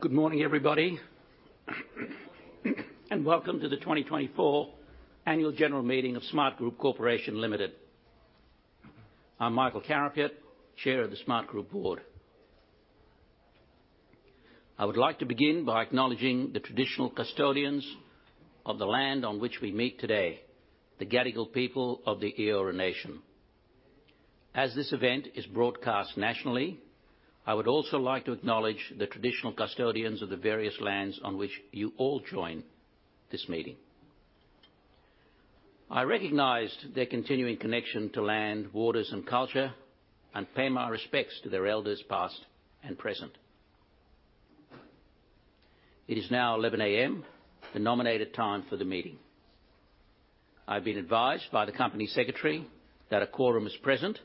Good morning, everybody, and welcome to the 2024 Annual General Meeting of Smartgroup Corporation Limited. I'm Michael Carapiet, Chair of the Smartgroup Board. I would like to begin by acknowledging the traditional custodians of the land on which we meet today: the Gadigal people of the Eora Nation. As this event is broadcast nationally, I would also like to acknowledge the traditional custodians of the various lands on which you all join this meeting. I recognize their continuing connection to land, waters, and culture, and pay my respects to their elders past and present. It is now 11:00 A.M., the nominated time for the meeting. I've been advised by the Company Secretary that a quorum is present,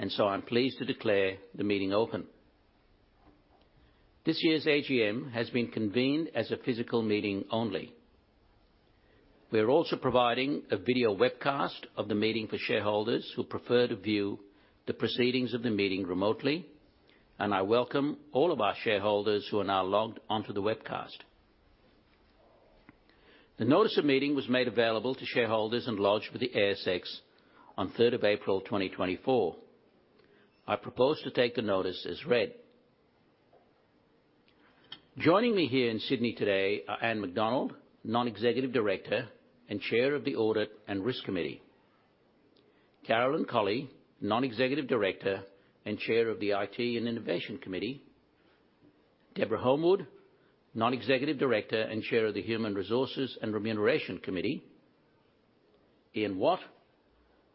and so I'm pleased to declare the meeting open. This year's AGM has been convened as a physical meeting only. We're also providing a video webcast of the meeting for shareholders who prefer to view the proceedings of the meeting remotely, and I welcome all of our shareholders who are now logged onto the webcast. The notice of meeting was made available to shareholders and lodged with the ASX on 3 April 2024. I propose to take the notice as read. Joining me here in Sydney today are Anne McDonald, Non-Executive Director and Chair of the Audit and Risk Committee, Carolyn Colley, Non-Executive Director and Chair of the IT and Innovation Committee, Deborah Homewood, Non-Executive Director and Chair of the Human Resources and Remuneration Committee, Ian Watt,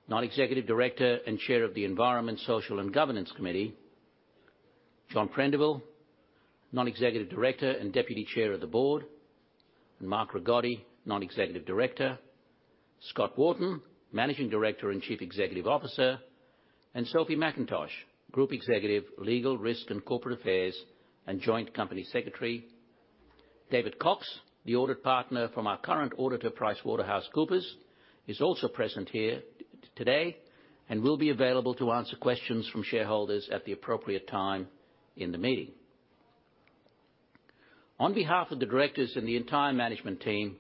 Non-Executive Director and Chair of the Environment, Social and Governance Committee, John Prendiville, Non-Executive Director and Deputy Chair of the Board, Mark Rigotti, Non-Executive Director, Scott Wharton, Managing Director and Chief Executive Officer, and Sophie MacIntosh, Group Executive, Legal, Risk and Corporate Affairs. And Joint Company Secretary, David Cox, the audit partner from our current auditor, PricewaterhouseCoopers, is also present here today and will be available to answer questions from shareholders at the appropriate time in the meeting. On behalf of the directors and the entire management team,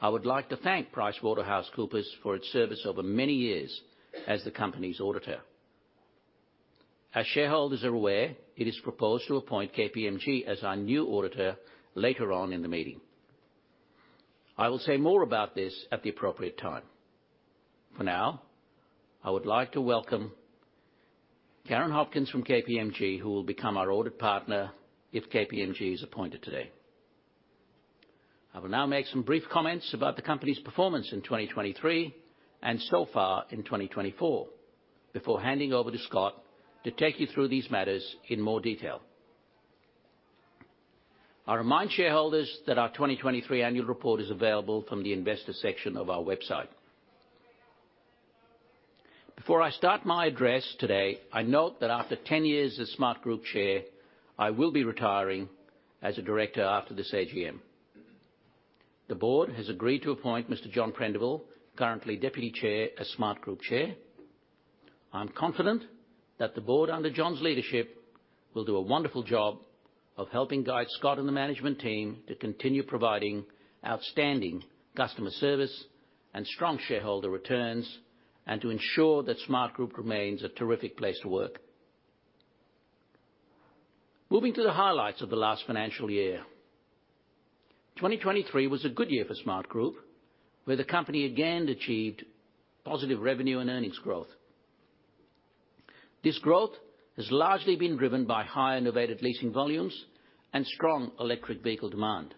I would like to thank PricewaterhouseCoopers for its service over many years as the company's auditor. As shareholders are aware, it is proposed to appoint KPMG as our new auditor later on in the meeting. I will say more about this at the appropriate time. For now, I would like to welcome Karen Hopkins from KPMG, who will become our audit partner if KPMG is appointed today. I will now make some brief comments about the company's performance in 2023 and so far in 2024, before handing over to Scott to take you through these matters in more detail. I remind shareholders that our 2023 Annual Report is available from the Investor section of our website. Before I start my address today, I note that after 10 years as Smartgroup Chair, I will be retiring as a director after this AGM. The Board has agreed to appoint Mr. John Prendiville, currently Deputy Chair, as Smartgroup Chair. I'm confident that the Board, under John's leadership, will do a wonderful job of helping guide Scott and the management team to continue providing outstanding customer service and strong shareholder returns, and to ensure that Smartgroup remains a terrific place to work. Moving to the highlights of the last financial year, 2023 was a good year for Smartgroup, where the company again achieved positive revenue and earnings growth. This growth has largely been driven by higher novated leasing volumes and strong electric vehicle demand.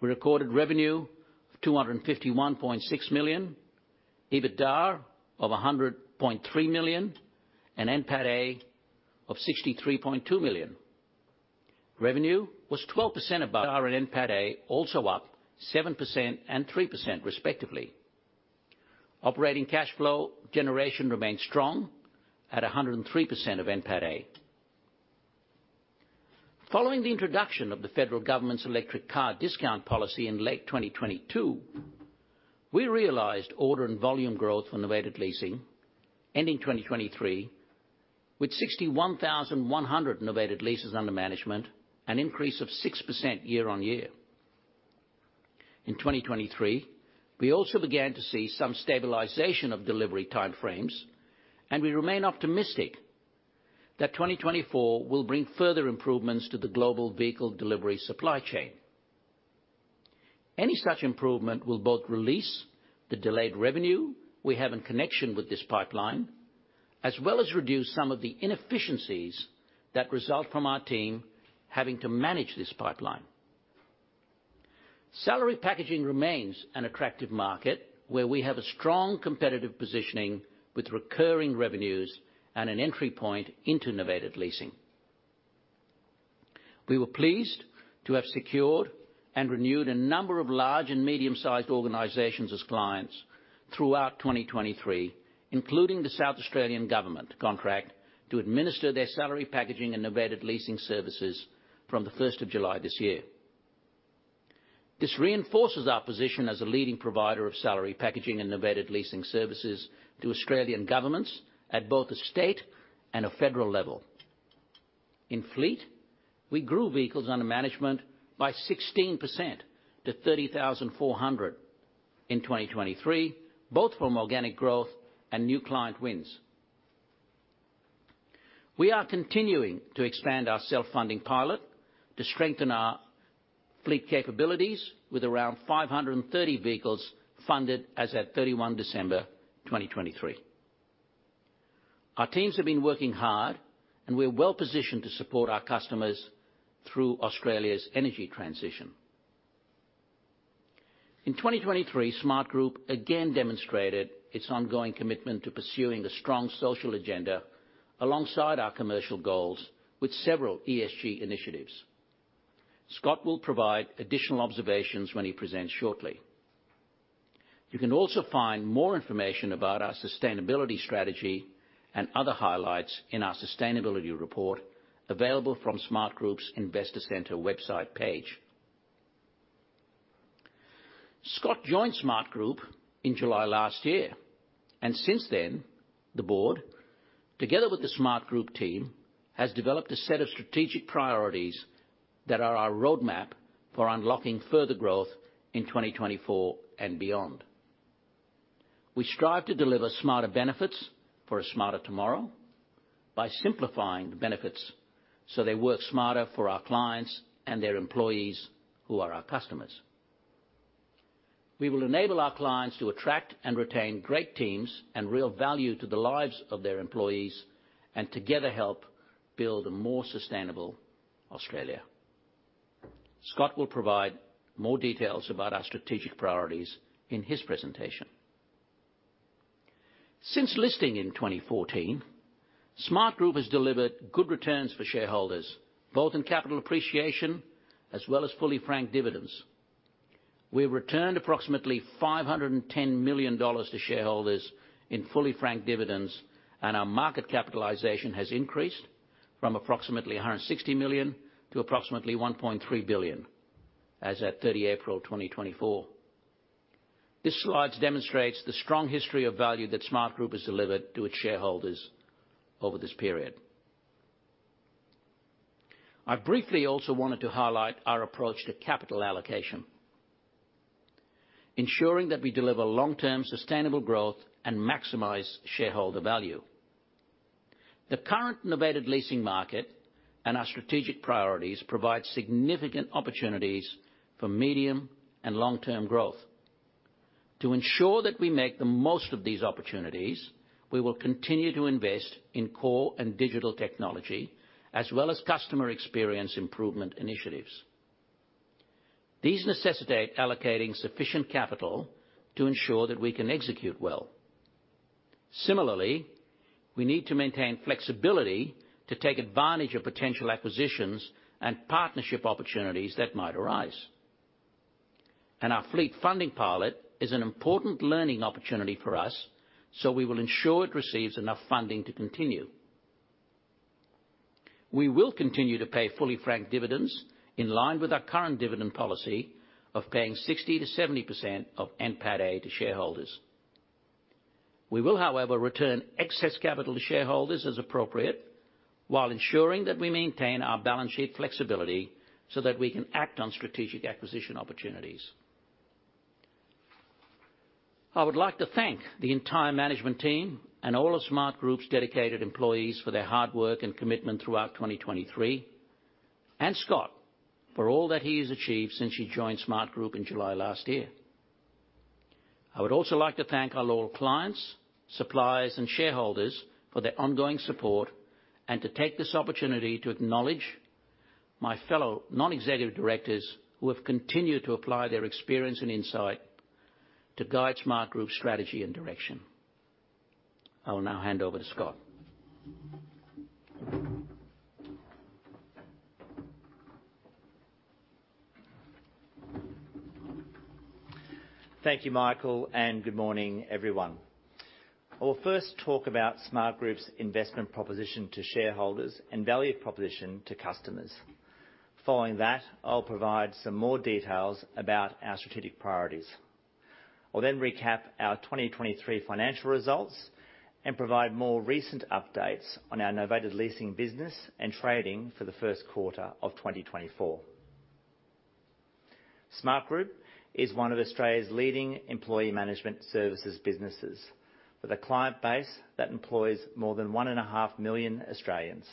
We recorded revenue of 251.6 million, EBITDA of 100.3 million, and NPATA of 63.2 million. Revenue was 12% above. NPATA also up 7% and 3%, respectively. Operating cash flow generation remained strong at 103% of NPATA. Following the introduction of the federal government's electric car discount policy in late 2022, we realized order and volume growth for novated leasing ending 2023 with 61,100 novated leases under management, an increase of 6% year-over-year. In 2023, we also began to see some stabilization of delivery timeframes, and we remain optimistic that 2024 will bring further improvements to the global vehicle delivery supply chain. Any such improvement will both release the delayed revenue we have in connection with this pipeline, as well as reduce some of the inefficiencies that result from our team having to manage this pipeline. Salary packaging remains an attractive market where we have a strong competitive positioning with recurring revenues and an entry point into novated leasing. We were pleased to have secured and renewed a number of large and medium-sized organisations as clients throughout 2023, including the South Australian Government contract to administer their salary packaging and novated leasing services from 1 July this year. This reinforces our position as a leading provider of salary packaging and novated leasing services to Australian governments at both a state and a federal level. In fleet, we grew vehicles under management by 16% to 30,400 in 2023, both from organic growth and new client wins. We are continuing to expand our self-funding pilot to strengthen our fleet capabilities, with around 530 vehicles funded as of 31 December 2023. Our teams have been working hard, and we're well-positioned to support our customers through Australia's energy transition. In 2023, Smartgroup again demonstrated its ongoing commitment to pursuing a strong social agenda alongside our commercial goals with several ESG initiatives. Scott will provide additional observations when he presents shortly. You can also find more information about our sustainability strategy and other highlights in our Sustainability Report, available from Smartgroup's Investor Centre website page. Scott joined Smartgroup in July last year, and since then, the Board, together with the Smartgroup team, has developed a set of strategic priorities that are our roadmap for unlocking further growth in 2024 and beyond. We strive to deliver smarter benefits for a smarter tomorrow by simplifying the benefits so they work smarter for our clients and their employees, who are our customers. We will enable our clients to attract and retain great teams and real value to the lives of their employees, and together help build a more sustainable Australia. Scott will provide more details about our strategic priorities in his presentation. Since listing in 2014, Smartgroup has delivered good returns for shareholders, both in capital appreciation as well as fully franked dividends. We have returned approximately 510 million dollars to shareholders in fully franked dividends, and our market capitalization has increased from approximately 160 million to approximately 1.3 billion, as of 30th April 2024. This slide demonstrates the strong history of value that Smartgroup has delivered to its shareholders over this period. I briefly also wanted to highlight our approach to capital allocation, ensuring that we deliver long-term sustainable growth and maximize shareholder value. The current novated leasing market and our strategic priorities provide significant opportunities for medium and long-term growth. To ensure that we make the most of these opportunities, we will continue to invest in core and digital technology, as well as customer experience improvement initiatives. These necessitate allocating sufficient capital to ensure that we can execute well. Similarly, we need to maintain flexibility to take advantage of potential acquisitions and partnership opportunities that might arise. Our fleet funding pilot is an important learning opportunity for us, so we will ensure it receives enough funding to continue. We will continue to pay fully franked dividends in line with our current dividend policy of paying 60%-70% of NPATA to shareholders. We will, however, return excess capital to shareholders as appropriate, while ensuring that we maintain our balance sheet flexibility so that we can act on strategic acquisition opportunities. I would like to thank the entire management team and all of Smartgroup's dedicated employees for their hard work and commitment throughout 2023, and Scott for all that he has achieved since he joined Smartgroup in July last year. I would also like to thank our loyal clients, suppliers, and shareholders for their ongoing support, and to take this opportunity to acknowledge my fellow Non-Executive Directors who have continued to apply their experience and insight to guide Smartgroup's strategy and direction. I will now hand over to Scott. Thank you, Michael, and good morning, everyone. I will first talk about Smartgroup's investment proposition to shareholders and value proposition to customers. Following that, I will provide some more details about our strategic priorities. I will then recap our 2023 financial results and provide more recent updates on our novated leasing business and trading for the first quarter of 2024. Smartgroup is one of Australia's leading employee management services businesses, with a client base that employs more than 1.5 million Australians.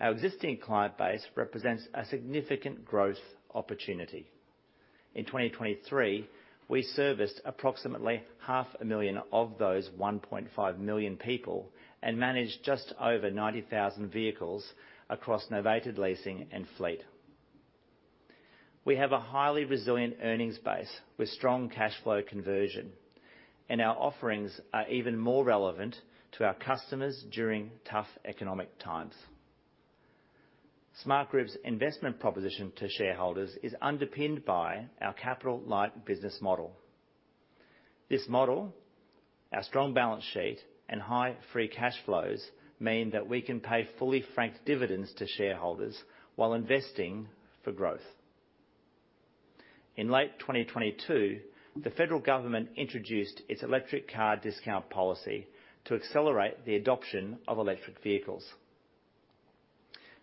Our existing client base represents a significant growth opportunity. In 2023, we serviced approximately 500,000 of those 1.5 million people and managed just over 90,000 vehicles across novated leasing and fleet. We have a highly resilient earnings base with strong cash flow conversion, and our offerings are even more relevant to our customers during tough economic times. Smartgroup's investment proposition to shareholders is underpinned by our capital-light business model. This model, our strong balance sheet and high free cash flows, mean that we can pay fully franked dividends to shareholders while investing for growth. In late 2022, the federal government introduced its Electric Car Discount Policy to accelerate the adoption of electric vehicles.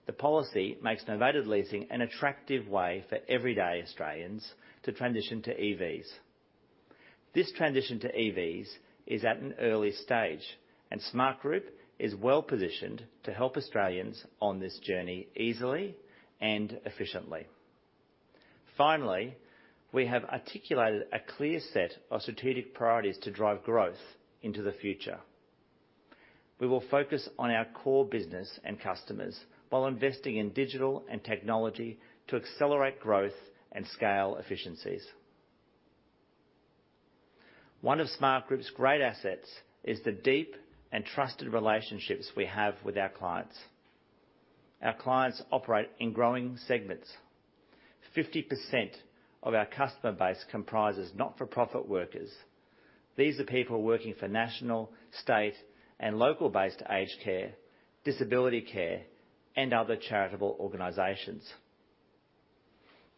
The policy makes novated leasing an attractive way for everyday Australians to transition to EVs. This transition to EVs is at an early stage, and Smartgroup is well-positioned to help Australians on this journey easily and efficiently. Finally, we have articulated a clear set of strategic priorities to drive growth into the future. We will focus on our core business and customers while investing in digital and technology to accelerate growth and scale efficiencies. One of Smartgroup's great assets is the deep and trusted relationships we have with our clients. Our clients operate in growing segments. 50% of our customer base comprises not-for-profit workers. These are people working for national, state, and local-based aged care, disability care, and other charitable organizations.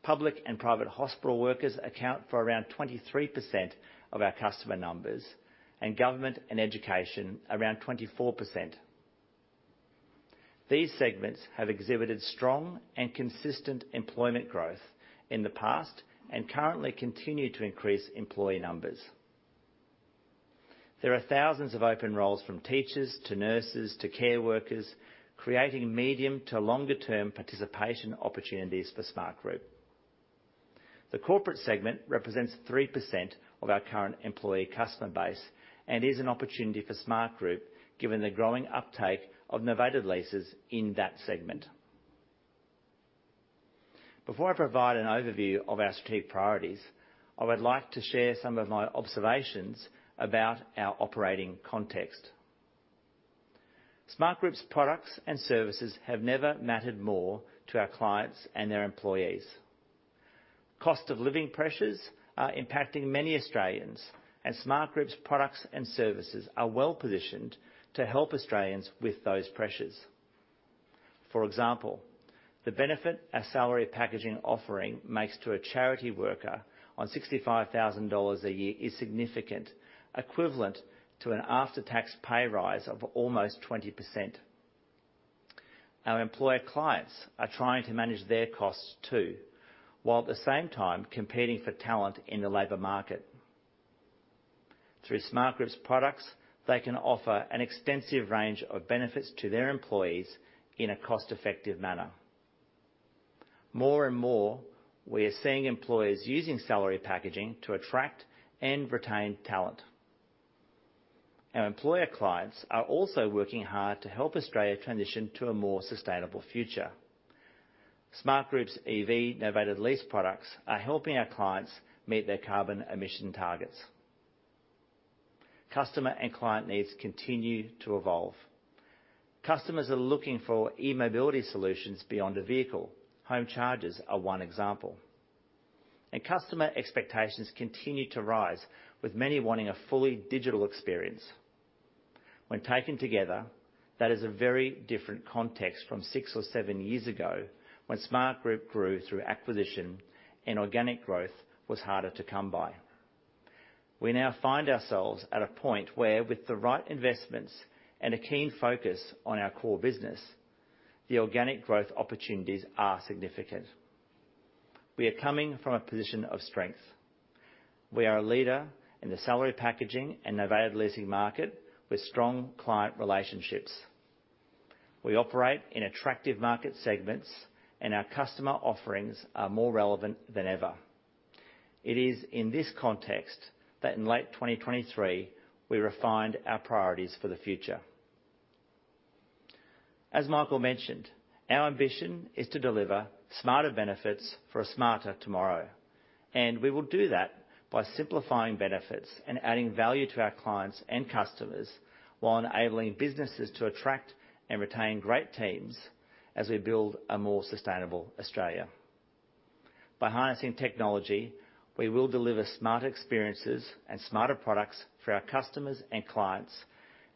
Public and private hospital workers account for around 23% of our customer numbers, and government and education, around 24%. These segments have exhibited strong and consistent employment growth in the past and currently continue to increase employee numbers. There are thousands of open roles from teachers to nurses to care workers, creating medium to longer-term participation opportunities for Smartgroup. The corporate segment represents 3% of our current employee customer base and is an opportunity for Smartgroup, given the growing uptake of novated leases in that segment. Before I provide an overview of our strategic priorities, I would like to share some of my observations about our operating context. Smartgroup's products and services have never mattered more to our clients and their employees. Cost-of-living pressures are impacting many Australians, and Smartgroup's products and services are well-positioned to help Australians with those pressures. For example, the benefit our salary packaging offering makes to a charity worker on 65,000 dollars a year is significant, equivalent to an after-tax pay rise of almost 20%. Our employer clients are trying to manage their costs, too, while at the same time competing for talent in the labor market. Through Smartgroup's products, they can offer an extensive range of benefits to their employees in a cost-effective manner. More and more, we are seeing employers using salary packaging to attract and retain talent. Our employer clients are also working hard to help Australia transition to a more sustainable future. Smartgroup's EV innovative lease products are helping our clients meet their carbon emission targets. Customer and client needs continue to evolve. Customers are looking for e-mobility solutions beyond a vehicle. Home charges are one example. Customer expectations continue to rise, with many wanting a fully digital experience. When taken together, that is a very different context from six or seven years ago, when Smartgroup grew through acquisition and organic growth was harder to come by. We now find ourselves at a point where, with the right investments and a keen focus on our core business, the organic growth opportunities are significant. We are coming from a position of strength. We are a leader in the salary packaging and novated leasing market with strong client relationships. We operate in attractive market segments, and our customer offerings are more relevant than ever. It is in this context that, in late 2023, we refined our priorities for the future. As Michael mentioned, our ambition is to deliver smarter benefits for a smarter tomorrow, and we will do that by simplifying benefits and adding value to our clients and customers, while enabling businesses to attract and retain great teams as we build a more sustainable Australia. By harnessing technology, we will deliver smarter experiences and smarter products for our customers and clients,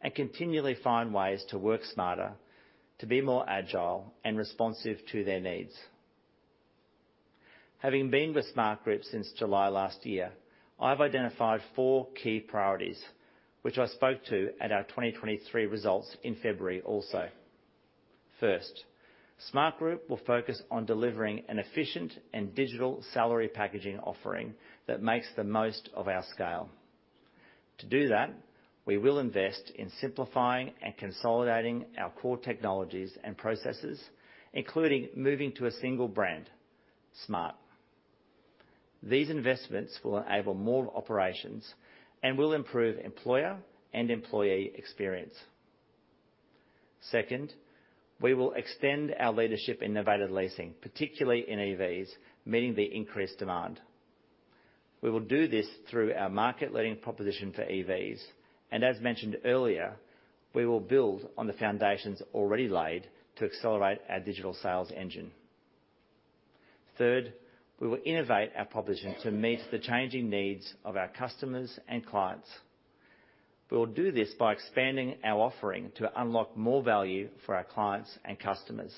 and continually find ways to work smarter, to be more agile and responsive to their needs. Having been with Smartgroup since July last year, I have identified four key priorities, which I spoke to at our 2023 results in February also. First, Smartgroup will focus on delivering an efficient and digital salary packaging offering that makes the most of our scale. To do that, we will invest in simplifying and consolidating our core technologies and processes, including moving to a single brand: Smart. These investments will enable more operations and will improve employer and employee experience. Second, we will extend our leadership in novated leasing, particularly in EVs, meeting the increased demand. We will do this through our market-leading proposition for EVs, and as mentioned earlier, we will build on the foundations already laid to accelerate our digital sales engine. Third, we will innovate our proposition to meet the changing needs of our customers and clients. We will do this by expanding our offering to unlock more value for our clients and customers.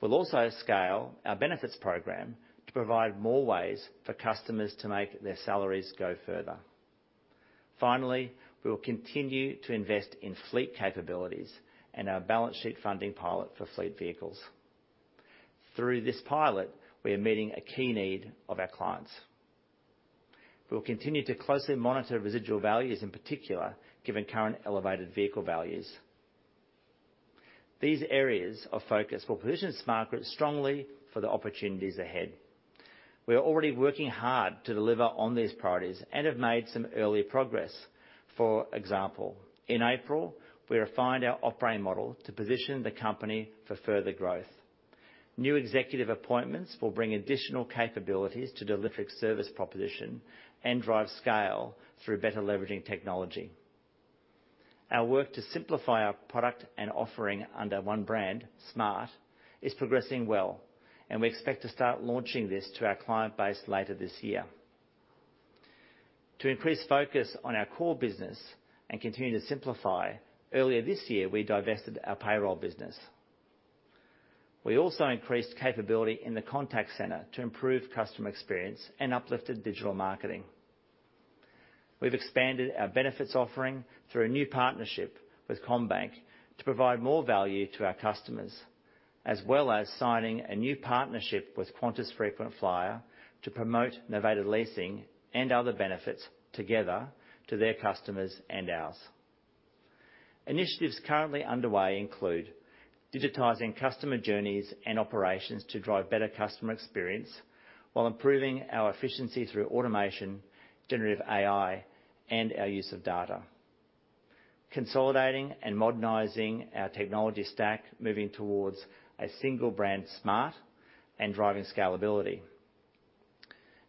We'll also scale our benefits program to provide more ways for customers to make their salaries go further. Finally, we will continue to invest in fleet capabilities and our balance sheet funding pilot for fleet vehicles. Through this pilot, we are meeting a key need of our clients. We will continue to closely monitor residual values, in particular given current elevated vehicle values. These areas of focus will position Smartgroup strongly for the opportunities ahead. We are already working hard to deliver on these priorities and have made some early progress. For example, in April, we refined our operating model to position the company for further growth. New executive appointments will bring additional capabilities to the electric service proposition and drive scale through better leveraging technology. Our work to simplify our product and offering under one brand, Smart, is progressing well, and we expect to start launching this to our client base later this year. To increase focus on our core business and continue to simplify, earlier this year we divested our payroll business. We also increased capability in the contact center to improve customer experience and uplifted digital marketing. We've expanded our benefits offering through a new partnership with CommBank to provide more value to our customers, as well as signing a new partnership with Qantas Frequent Flyer to promote novated leasing and other benefits together to their customers and ours. Initiatives currently underway include digitizing customer journeys and operations to drive better customer experience, while improving our efficiency through automation, generative AI, and our use of data. Consolidating and modernizing our technology stack, moving towards a single brand, Smart, and driving scalability.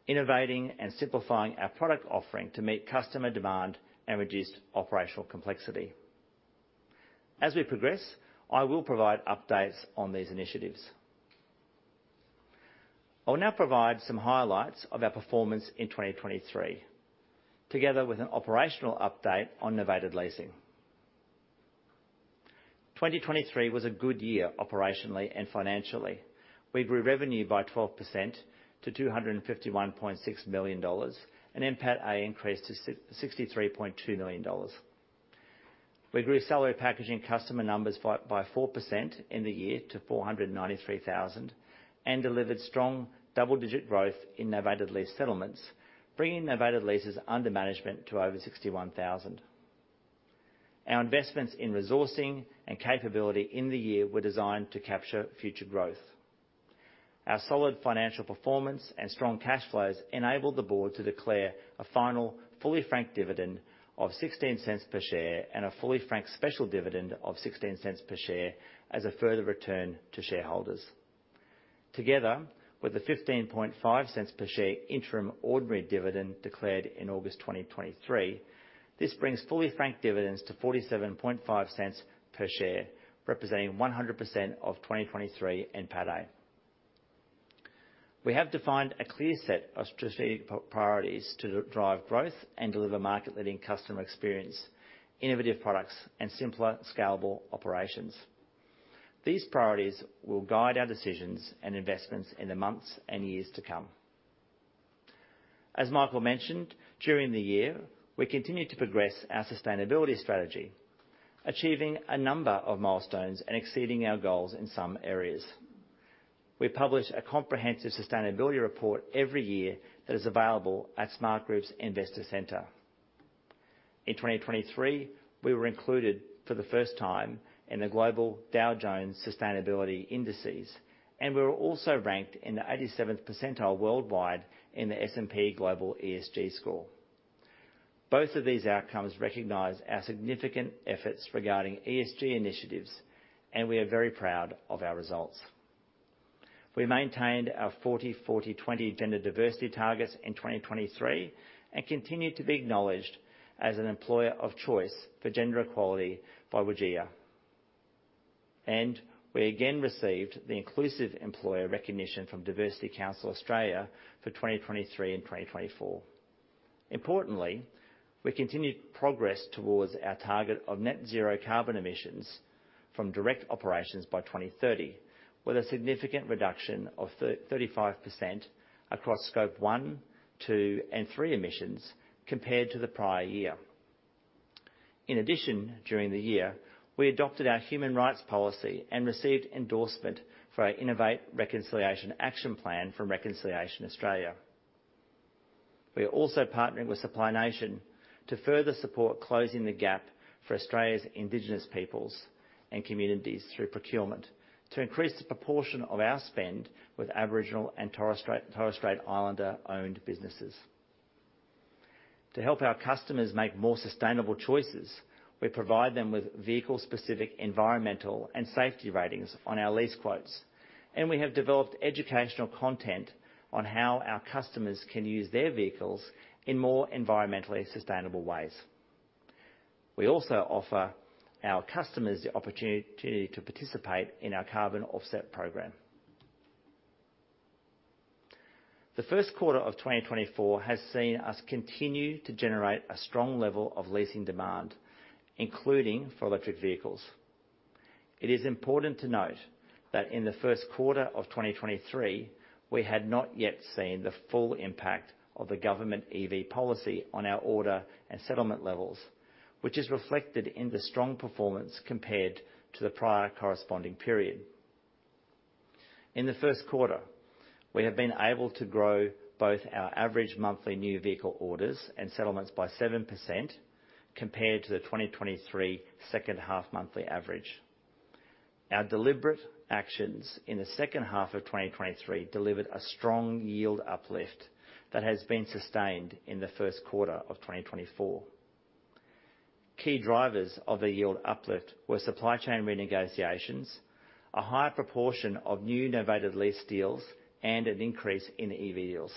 Innovating and simplifying our product offering to meet customer demand and reduce operational complexity. As we progress, I will provide updates on these initiatives. I will now provide some highlights of our performance in 2023, together with an operational update on novated leasing. 2023 was a good year operationally and financially. We grew revenue by 12% to 251.6 million dollars and NPATA increased to 63.2 million dollars. We grew salary packaging customer numbers by 4% in the year to 493,000 and delivered strong double-digit growth in novated lease settlements, bringing novated leases under management to over 61,000. Our investments in resourcing and capability in the year were designed to capture future growth. Our solid financial performance and strong cash flows enabled the board to declare a final fully franked dividend of 0.0016 per share and a fully franked special dividend of 0.0016 per share as a further return to shareholders. Together with the 0.15 per share interim ordinary dividend declared in August 2023, this brings fully franked dividends to 0.47 per share, representing 100% of 2023 NPATA. We have defined a clear set of strategic priorities to drive growth and deliver market-leading customer experience, innovative products, and simpler, scalable operations. These priorities will guide our decisions and investments in the months and years to come. As Michael mentioned, during the year we continue to progress our sustainability strategy, achieving a number of milestones and exceeding our goals in some areas. We publish a comprehensive sustainability report every year that is available at Smartgroup's Investor Centre. In 2023, we were included for the first time in the global Dow Jones Sustainability Indices, and we were also ranked in the 87th percentile worldwide in the S&P Global ESG score. Both of these outcomes recognize our significant efforts regarding ESG initiatives, and we are very proud of our results. We maintained our 40/40/20 gender diversity targets in 2023 and continue to be acknowledged as an employer of choice for gender equality by WGEA. We again received the inclusive employer recognition from Diversity Council Australia for 2023 and 2024. Importantly, we continued progress towards our target of net-zero carbon emissions from direct operations by 2030, with a significant reduction of 35% across scope one, two, and three emissions compared to the prior year. In addition, during the year we adopted our human rights policy and received endorsement for our Innovate Reconciliation Action Plan from Reconciliation Australia. We are also partnering with Supply Nation to further support closing the gap for Australia's Indigenous peoples and communities through procurement, to increase the proportion of our spend with Aboriginal and Torres Strait Islander-owned businesses. To help our customers make more sustainable choices, we provide them with vehicle-specific environmental and safety ratings on our lease quotes, and we have developed educational content on how our customers can use their vehicles in more environmentally sustainable ways. We also offer our customers the opportunity to participate in our carbon offset program. The first quarter of 2024 has seen us continue to generate a strong level of leasing demand, including for electric vehicles. It is important to note that in the first quarter of 2023 we had not yet seen the full impact of the government EV policy on our order and settlement levels, which is reflected in the strong performance compared to the prior corresponding period. In the first quarter, we have been able to grow both our average monthly new vehicle orders and settlements by 7% compared to the 2023 second-half monthly average. Our deliberate actions in the second half of 2023 delivered a strong yield uplift that has been sustained in the first quarter of 2024. Key drivers of the yield uplift were supply chain renegotiations, a higher proportion of new novated lease deals, and an increase in EV deals.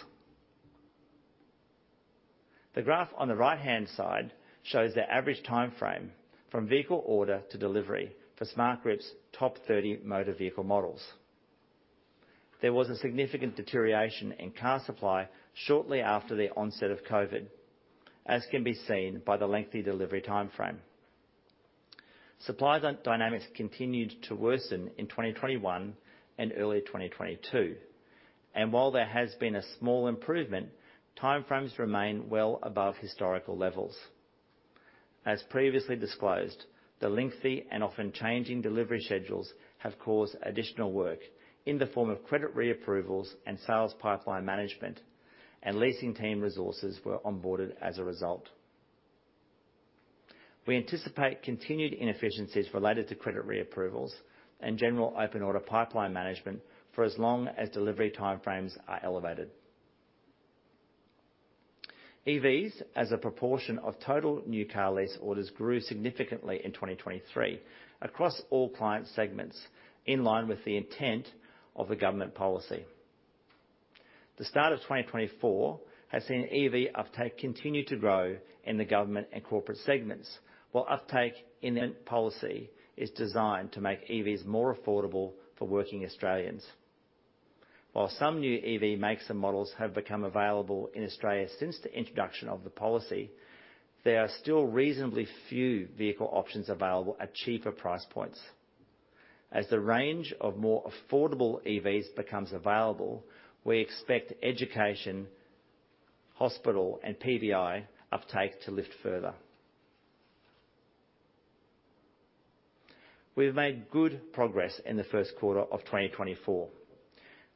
The graph on the right-hand side shows the average timeframe from vehicle order to delivery for Smartgroup's top 30 motor vehicle models. There was a significant deterioration in car supply shortly after the onset of COVID, as can be seen by the lengthy delivery timeframe. Supply dynamics continued to worsen in 2021 and early 2022, and while there has been a small improvement, timeframes remain well above historical levels. As previously disclosed, the lengthy and often changing delivery schedules have caused additional work in the form of credit reapprovals and sales pipeline management, and leasing team resources were onboarded as a result. We anticipate continued inefficiencies related to credit reapprovals and general open order pipeline management for as long as delivery timeframes are elevated. EVs, as a proportion of total new car lease orders, grew significantly in 2023 across all client segments, in line with the intent of the government policy. The start of 2024 has seen EV uptake continue to grow in the government and corporate segments, while the government policy is designed to make EVs more affordable for working Australians. While some new EV makes and models have become available in Australia since the introduction of the policy, there are still reasonably few vehicle options available at cheaper price points. As the range of more affordable EVs becomes available, we expect education, hospital, and PBI uptake to lift further. We've made good progress in the first quarter of 2024.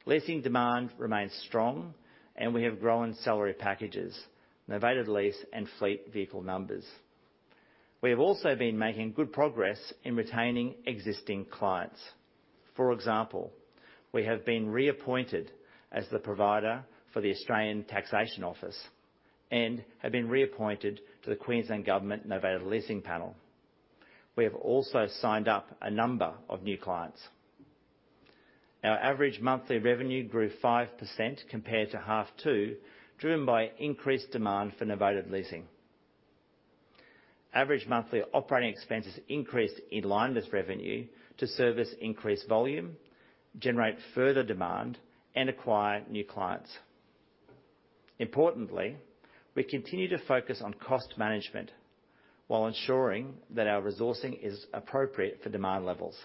Leasing demand remains strong, and we have grown salary packages, novated lease, and fleet vehicle numbers. We have also been making good progress in retaining existing clients. For example, we have been reappointed as the provider for the Australian Taxation Office and have been reappointed to the Queensland Government Novated Leasing Panel. We have also signed up a number of new clients. Our average monthly revenue grew 5% compared to half two, driven by increased demand for novated leasing. Average monthly operating expenses increased in line with revenue to service increased volume, generate further demand, and acquire new clients. Importantly, we continue to focus on cost management while ensuring that our resourcing is appropriate for demand levels.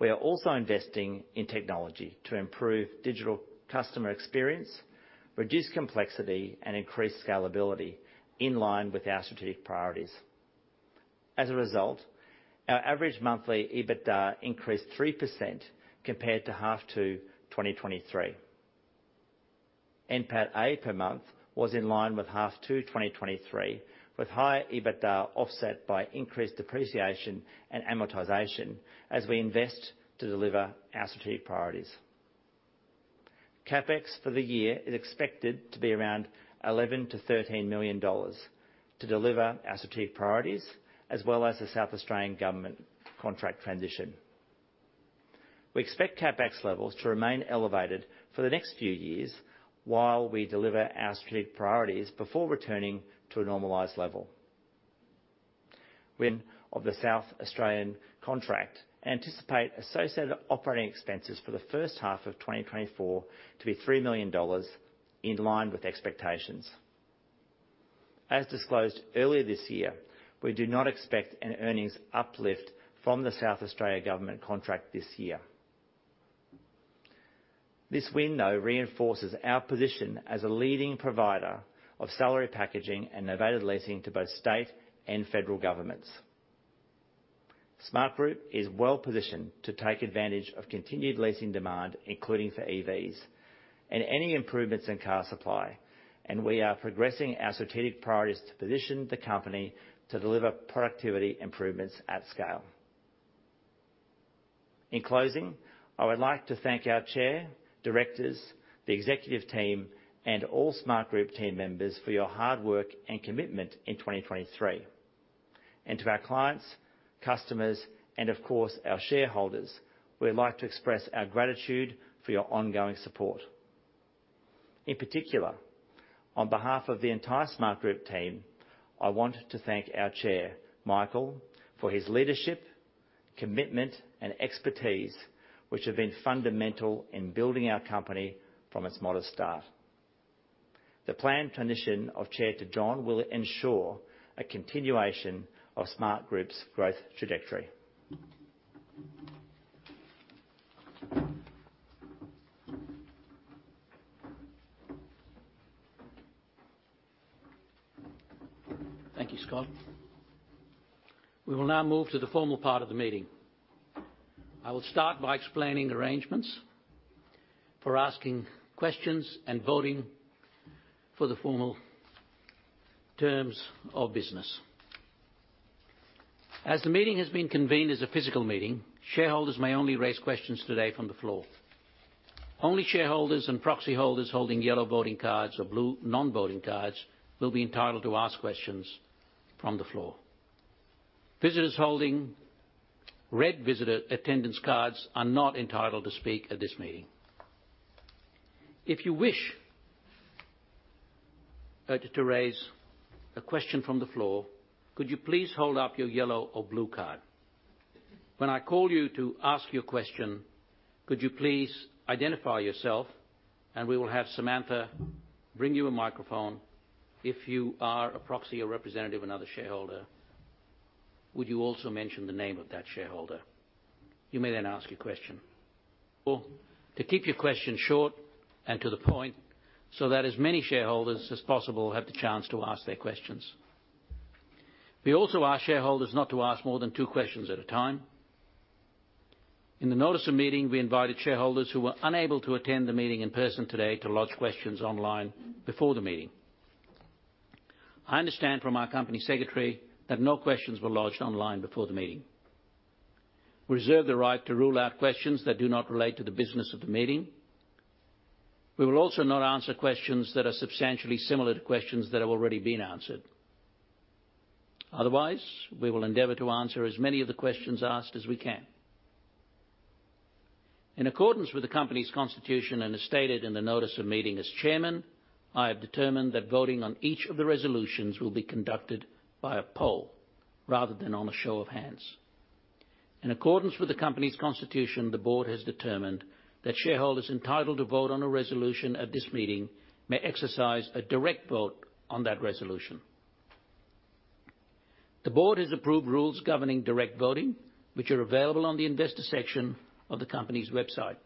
We are also investing in technology to improve digital customer experience, reduce complexity, and increase scalability in line with our strategic priorities. As a result, our average monthly EBITDA increased 3% compared to half two 2023. NPATA per month was in line with half two 2023, with higher EBITDA offset by increased depreciation and amortization as we invest to deliver our strategic priorities. CapEx for the year is expected to be around 11 million-13 million dollars to deliver our strategic priorities, as well as the South Australian Government contract transition. We expect CapEx levels to remain elevated for the next few years while we deliver our strategic priorities before returning to a normalized level. We, of the South Australian contract, anticipate associated operating expenses for the first half of 2024 to be 3 million dollars, in line with expectations. As disclosed earlier this year, we do not expect an earnings uplift from the South Australian Government contract this year. This win, though, reinforces our position as a leading provider of salary packaging and novated leasing to both state and federal governments. Smartgroup is well positioned to take advantage of continued leasing demand, including for EVs, and any improvements in car supply, and we are progressing our strategic priorities to position the company to deliver productivity improvements at scale. In closing, I would like to thank our chair, directors, the executive team, and all Smartgroup team members for your hard work and commitment in 2023. To our clients, customers, and of course our shareholders, we would like to express our gratitude for your ongoing support. In particular, on behalf of the entire Smartgroup team, I want to thank our chair, Michael, for his leadership, commitment, and expertise, which have been fundamental in building our company from its modest start. The planned transition of chair to John will ensure a continuation of Smartgroup's growth trajectory. Thank you, Scott. We will now move to the formal part of the meeting. I will start by explaining arrangements for asking questions and voting for the formal terms of business. As the meeting has been convened as a physical meeting, shareholders may only raise questions today from the floor. Only shareholders and proxy holders holding yellow voting cards or blue non-voting cards will be entitled to ask questions from the floor. Visitors holding red visitor attendance cards are not entitled to speak at this meeting. If you wish to raise a question from the floor, could you please hold up your yellow or blue card? When I call you to ask your question, could you please identify yourself? We will have Samantha bring you a microphone. If you are a proxy or representative, another shareholder, would you also mention the name of that shareholder? You may then ask your question. To keep your question short and to the point so that as many shareholders as possible have the chance to ask their questions. We also ask shareholders not to ask more than two questions at a time. In the notice of meeting, we invited shareholders who were unable to attend the meeting in person today to lodge questions online before the meeting. I understand from our company secretary that no questions were lodged online before the meeting. We reserve the right to rule out questions that do not relate to the business of the meeting. We will also not answer questions that are substantially similar to questions that have already been answered. Otherwise, we will endeavor to answer as many of the questions asked as we can. In accordance with the company's constitution and as stated in the notice of meeting as chairman, I have determined that voting on each of the resolutions will be conducted by a poll rather than on a show of hands. In accordance with the company's constitution, the board has determined that shareholders entitled to vote on a resolution at this meeting may exercise a direct vote on that resolution. The board has approved rules governing direct voting, which are available on the investor section of the company's website.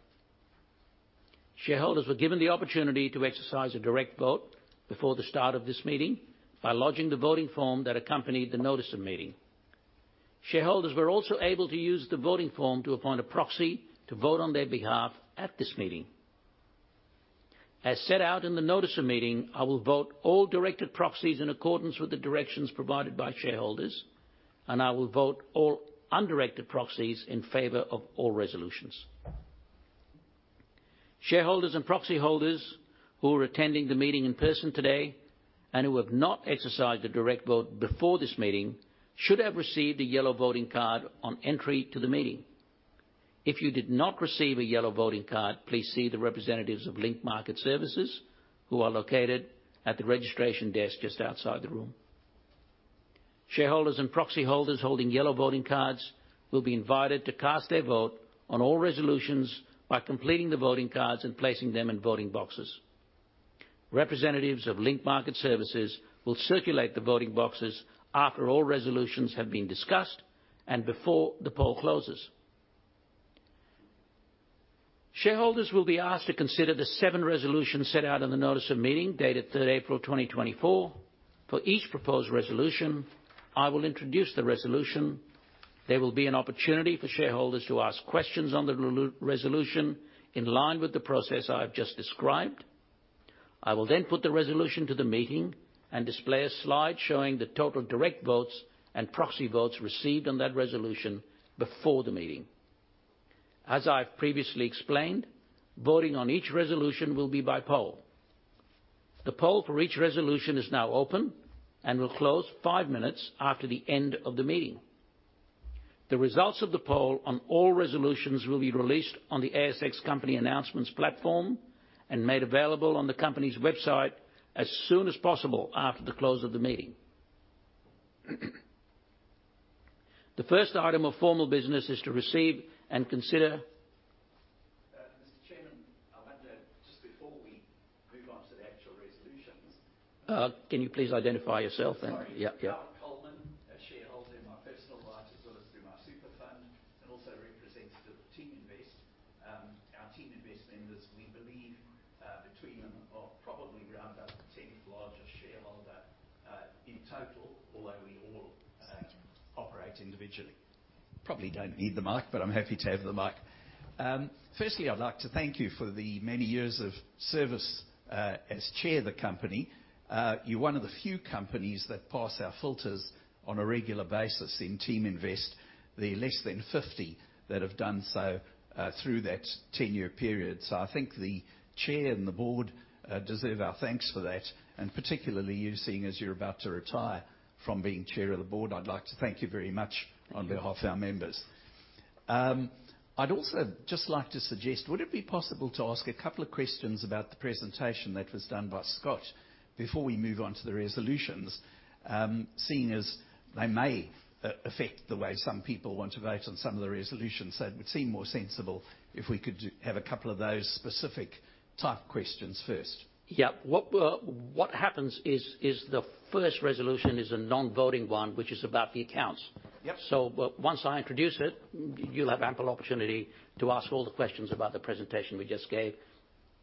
Shareholders were given the opportunity to exercise a direct vote before the start of this meeting by lodging the voting form that accompanied the notice of meeting. Shareholders were also able to use the voting form to appoint a proxy to vote on their behalf at this meeting. As set out in the notice of meeting, I will vote all directed proxies in accordance with the directions provided by shareholders, and I will vote all undirected proxies in favor of all resolutions. Shareholders and proxy holders who are attending the meeting in person today and who have not exercised a direct vote before this meeting should have received a yellow voting card on entry to the meeting. If you did not receive a yellow voting card, please see the representatives of Link Market Services, who are located at the registration desk just outside the room. Shareholders and proxy holders holding yellow voting cards will be invited to cast their vote on all resolutions by completing the voting cards and placing them in voting boxes. Representatives of Link Market Services will circulate the voting boxes after all resolutions have been discussed and before the poll closes. Shareholders will be asked to consider the seven resolutions set out in the notice of meeting dated 3 April 2024. For each proposed resolution, I will introduce the resolution. There will be an opportunity for shareholders to ask questions on the resolution in line with the process I have just described. I will then put the resolution to the meeting and display a slide showing the total direct votes and proxy votes received on that resolution before the meeting. As I have previously explained, voting on each resolution will be by poll. The poll for each resolution is now open and will close five minutes after the end of the meeting. The results of the poll on all resolutions will be released on the ASX Company Announcements platform and made available on the company's website as soon as possible after the close of the meeting. The first item of formal business is to receive and consider. before we move on to the actual resolutions. Can you please identify yourself then? Sorry. Yeah, yeah. Howard Coleman, a shareholder in my personal life as well as through my super fund, and also representative of Team Invest. Our Team Invest members, we believe between them are probably round about the tenth largest shareholder in total, although we all operate individually. Probably don't need the mic, but I'm happy to have the mic. Firstly, I'd like to thank you for the many years of service as chair of the company. You're one of the few companies that pass our filters on a regular basis in Team Invest. There are less than 50 that have done so through that ten-year period. So I think the chair and the board deserve our thanks for that, and particularly you, seeing as you're about to retire from being chair of the board. I'd like to thank you very much on behalf of our members. I'd also just like to suggest, would it be possible to ask a couple of questions about the presentation that was done by Scott before we move on to the resolutions, seeing as they may affect the way some people want to vote on some of the resolutions, it would seem more sensible if we could have a couple of those specific type questions first. Yep. What happens is the first resolution is a non-voting one, which is about the accounts. So once I introduce it, you'll have ample opportunity to ask all the questions about the presentation we just gave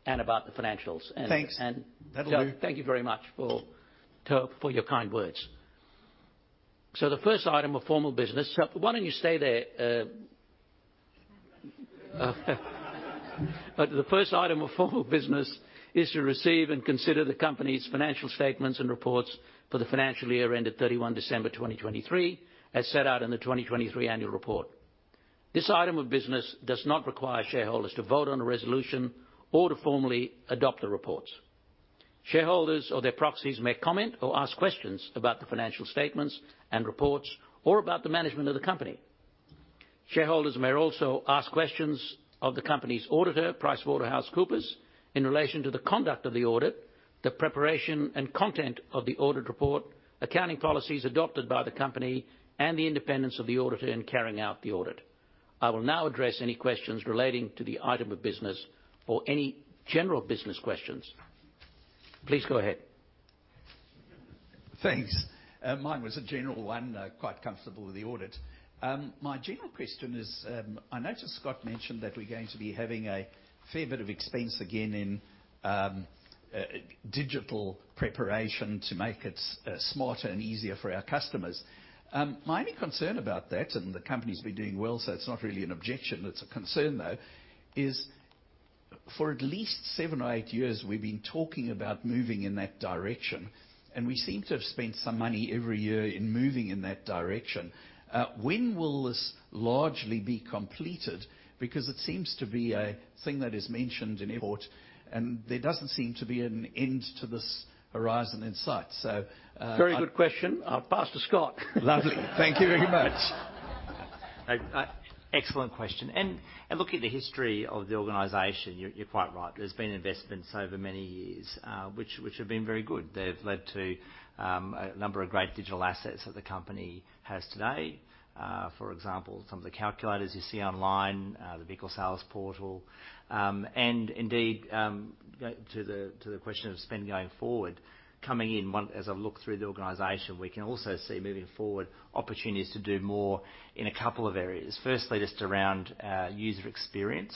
and about the financials. Thanks. That'll do. Thank you very much for your kind words. The first item of formal business—so why don't you stay there? The first item of formal business is to receive and consider the company's financial statements and reports for the financial year ended 31 December 2023, as set out in the 2023 annual report. This item of business does not require shareholders to vote on a resolution or to formally adopt the reports. Shareholders or their proxies may comment or ask questions about the financial statements and reports or about the management of the company. Shareholders may also ask questions of the company's auditor, PricewaterhouseCoopers, in relation to the conduct of the audit, the preparation and content of the audit report, accounting policies adopted by the company, and the independence of the auditor in carrying out the audit. I will now address any questions relating to the item of business or any general business questions. Please go ahead. Thanks. Mine was a general one, quite comfortable with the audit. My general question is I noticed Scott mentioned that we're going to be having a fair bit of expense again in digital preparation to make it smarter and easier for our customers. My only concern about that, and the company's been doing well so it's not really an objection, it's a concern though, is for at least seven or eight years we've been talking about moving in that direction, and we seem to have spent some money every year in moving in that direction. When will this largely be completed because it seems to be a thing that is mentioned in report, and there doesn't seem to be an end to this horizon in sight. So. Very good question. I'll pass to Scott. Lovely. Thank you very much. Excellent question. Looking at the history of the organization, you're quite right. There's been investments over many years, which have been very good. They've led to a number of great digital assets that the company has today. For example, some of the calculators you see online, the vehicle sales portal. Indeed, to the question of spend going forward, coming in as I look through the organization, we can also see moving forward opportunities to do more in a couple of areas. Firstly, just around user experience.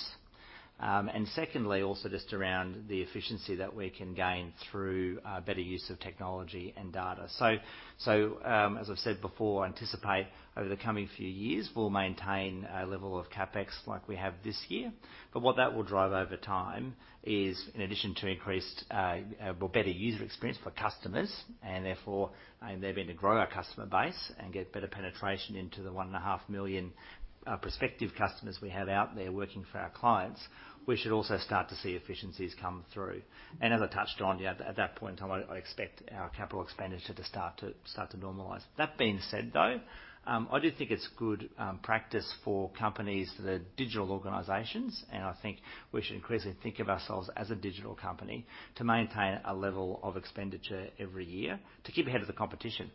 Secondly, also just around the efficiency that we can gain through better use of technology and data. As I've said before, I anticipate over the coming few years we'll maintain a level of CapEx like we have this year. But what that will drive over time is, in addition to increased better user experience for customers, and therefore there being to grow our customer base and get better penetration into the 1.5 million prospective customers we have out there working for our clients, we should also start to see efficiencies come through. And as I touched on, at that point in time I'd expect our capital expenditure to start to normalise. That being said though, I do think it's good practice for companies that are digital organisations, and I think we should increasingly think of ourselves as a digital company, to maintain a level of expenditure every year to keep ahead of the competition.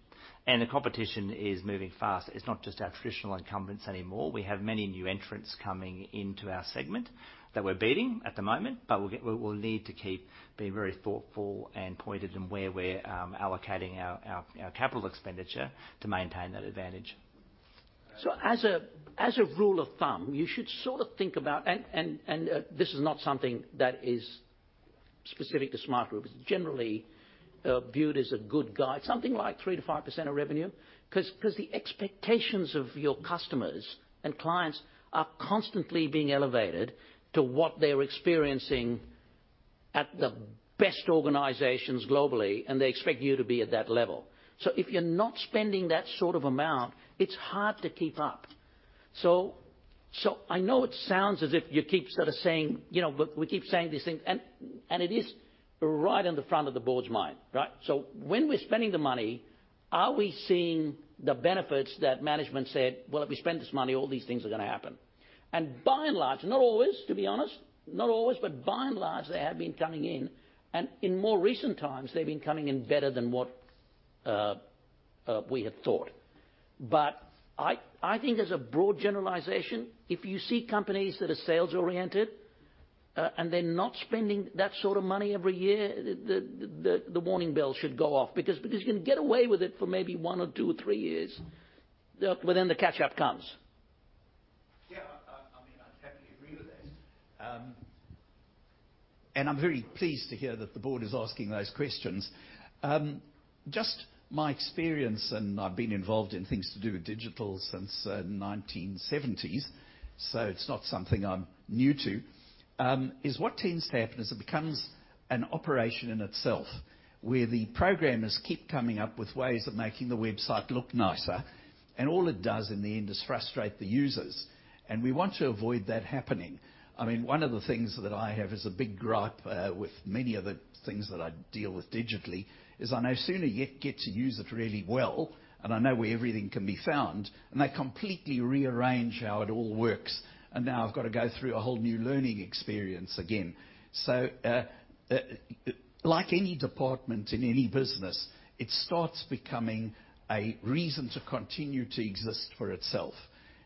And the competition is moving fast. It's not just our traditional incumbents anymore. We have many new entrants coming into our segment that we're beating at the moment, but we'll need to keep being very thoughtful and pointed in where we're allocating our capital expenditure to maintain that advantage. So as a rule of thumb, you should sort of think about and this is not something that is specific to Smartgroup. It's generally viewed as a good guide. Something like 3%-5% of revenue. Because the expectations of your customers and clients are constantly being elevated to what they're experiencing at the best organizations globally, and they expect you to be at that level. So if you're not spending that sort of amount, it's hard to keep up. So I know it sounds as if you keep sort of saying, "We keep saying these things," and it is right on the front of the board's mind, right? So when we're spending the money, are we seeing the benefits that management said, "Well, if we spend this money, all these things are going to happen"? And by and large, not always, to be honest. Not always, but by and large they have been coming in, and in more recent times they've been coming in better than what we had thought. But I think as a broad generalisation, if you see companies that are sales-oriented and they're not spending that sort of money every year, the warning bell should go off. Because you're going to get away with it for maybe one or two or three years, but then the catch-up comes. Yeah. I'm very pleased to hear that the board is asking those questions. Just my experience, and I've been involved in things to do with digital since the 1970s, so it's not something I'm new to, is what tends to happen is it becomes an operation in itself where the programmers keep coming up with ways of making the website look nicer, and all it does in the end is frustrate the users. We want to avoid that happening, I mean, one of the things that I have as a big gripe with many of the things that I deal with digitally is I no sooner get to use it really well, and I know where everything can be found, and they completely rearrange how it all works, and now I've got to go through a whole new learning experience again. So like any department in any business, it starts becoming a reason to continue to exist for itself.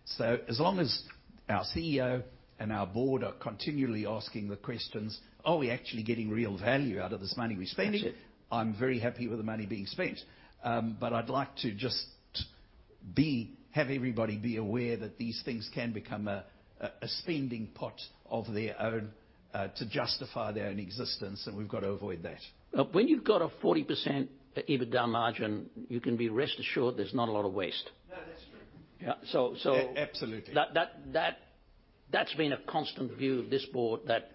So as long as our CEO and our board are continually asking the questions, "Are we actually getting real value out of this money we're spending? That's it. I'm very happy with the money being spent. But I'd like to just have everybody be aware that these things can become a spending pot of their own to justify their own existence, and we've got to avoid that. When you've got a 40% EBITDA margin, you can be rest assured there's not a lot of waste. Yeah. So. Absolutely. That's been a constant view of this board, that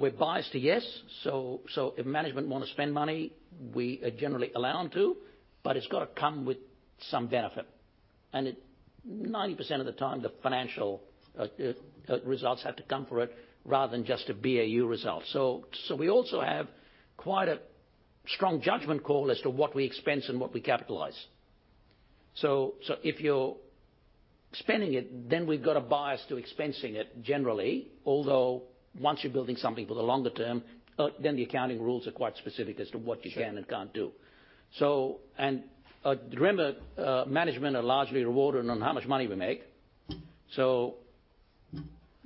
we're biased to yes. So if management want to spend money, we are generally allowing to, but it's got to come with some benefit. And 90% of the time the financial results have to come for it rather than just a BAU result. So we also have quite a strong judgment call as to what we expense and what we capitalize. So if you're spending it, then we've got a bias to expensing it generally, although once you're building something for the longer term, then the accounting rules are quite specific as to what you can and can't do. And remember, management are largely rewarded on how much money we make. So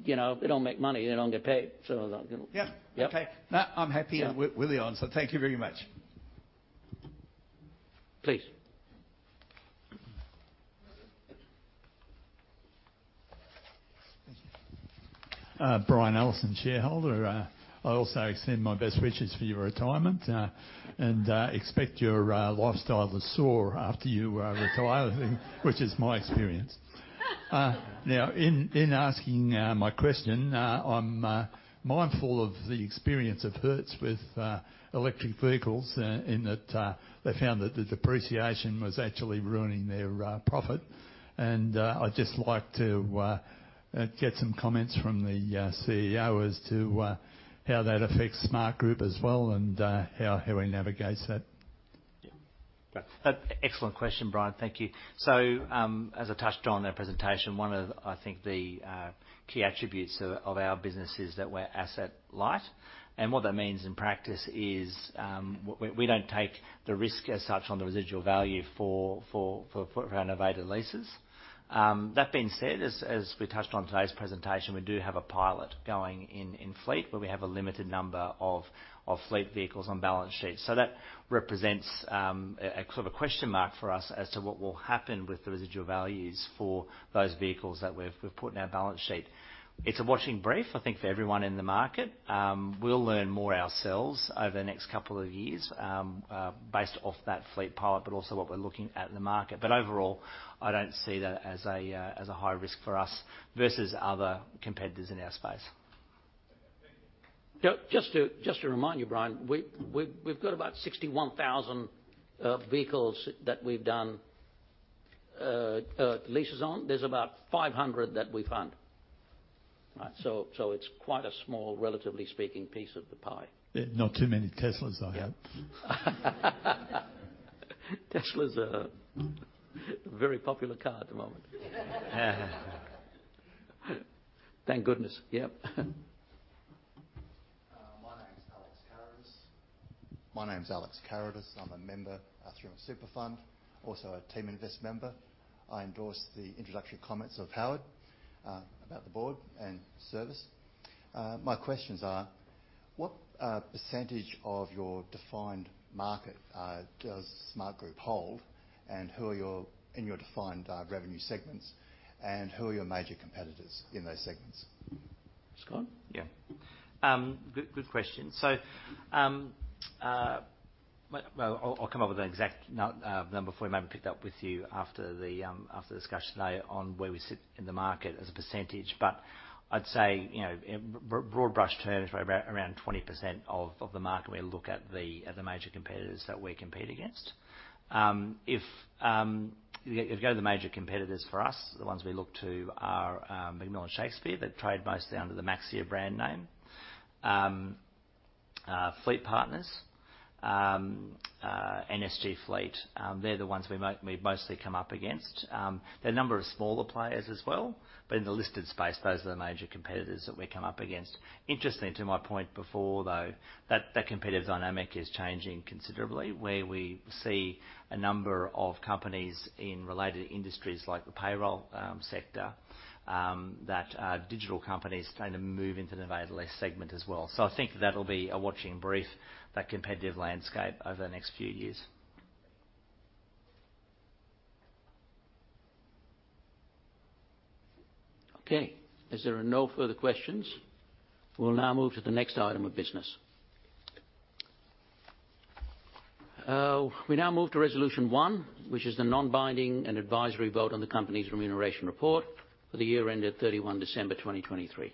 if they don't make money, they don't get paid. So they're going to. Yep. Okay. I'm happy and willing one. Thank you very much. Please. Thank you. Brian Allison, shareholder. I also extend my best wishes for your retirement and expect your lifestyle to soar after you retire, which is my experience. Now, in asking my question, I'm mindful of the experience of Hertz with electric vehicles in that they found that the depreciation was actually ruining their profit. I'd just like to get some comments from the CEO as to how that affects Smartgroup as well and how we navigate that. Yeah. Excellent question, Brian. Thank you. So as I touched on in our presentation, one of, I think, the key attributes of our business is that we're asset light. And what that means in practice is we don't take the risk as such on the residual value for our novated leases. That being said, as we touched on today's presentation, we do have a pilot going in fleet where we have a limited number of fleet vehicles on balance sheets. So that represents a sort of a question mark for us as to what will happen with the residual values for those vehicles that we've put in our balance sheet. It's a watching brief, I think, for everyone in the market. We'll learn more ourselves over the next couple of years based off that fleet pilot, but also what we're looking at in the market. Overall, I don't see that as a high risk for us versus other competitors in our space. Yeah. Just to remind you, Brian, we've got about 61,000 vehicles that we've done leases on. There's about 500 that we fund. Right? So it's quite a small, relatively speaking, piece of the pie. Not too many Teslas, I hope. Tesla's a very popular car at the moment. Thank goodness. Yep. My name's Alex Caradus. My name's Alex Caradus. I'm a member through a super fund, also a Team Invest member. I endorse the introductory comments of Howard about the board and service. My questions are, what percentage of your defined market does Smartgroup hold, and who are your in your defined revenue segments, and who are your major competitors in those segments? Scott? Yeah. Good question. So I'll come up with an exact number before we maybe pick that up with you after the discussion today on where we sit in the market as a percentage. But I'd say, broad brush terms, we're around 20% of the market when we look at the major competitors that we compete against. If you go to the major competitors for us, the ones we look to are McMillan Shakespeare that trade mostly under the Maxxia brand name. Fleet Partners, SG Fleet, they're the ones we mostly come up against. There are a number of smaller players as well, but in the listed space, those are the major competitors that we come up against. Interesting to my point before, though, that competitive dynamic is changing considerably where we see a number of companies in related industries like the payroll sector that digital companies tend to move into the novated lease segment as well. So I think that'll be a watching brief, that competitive landscape over the next few years. Okay. Is there no further questions? We'll now move to the next item of business. We now move to resolution one, which is the non-binding and advisory vote on the company's remuneration report for the year ended 31 December 2023.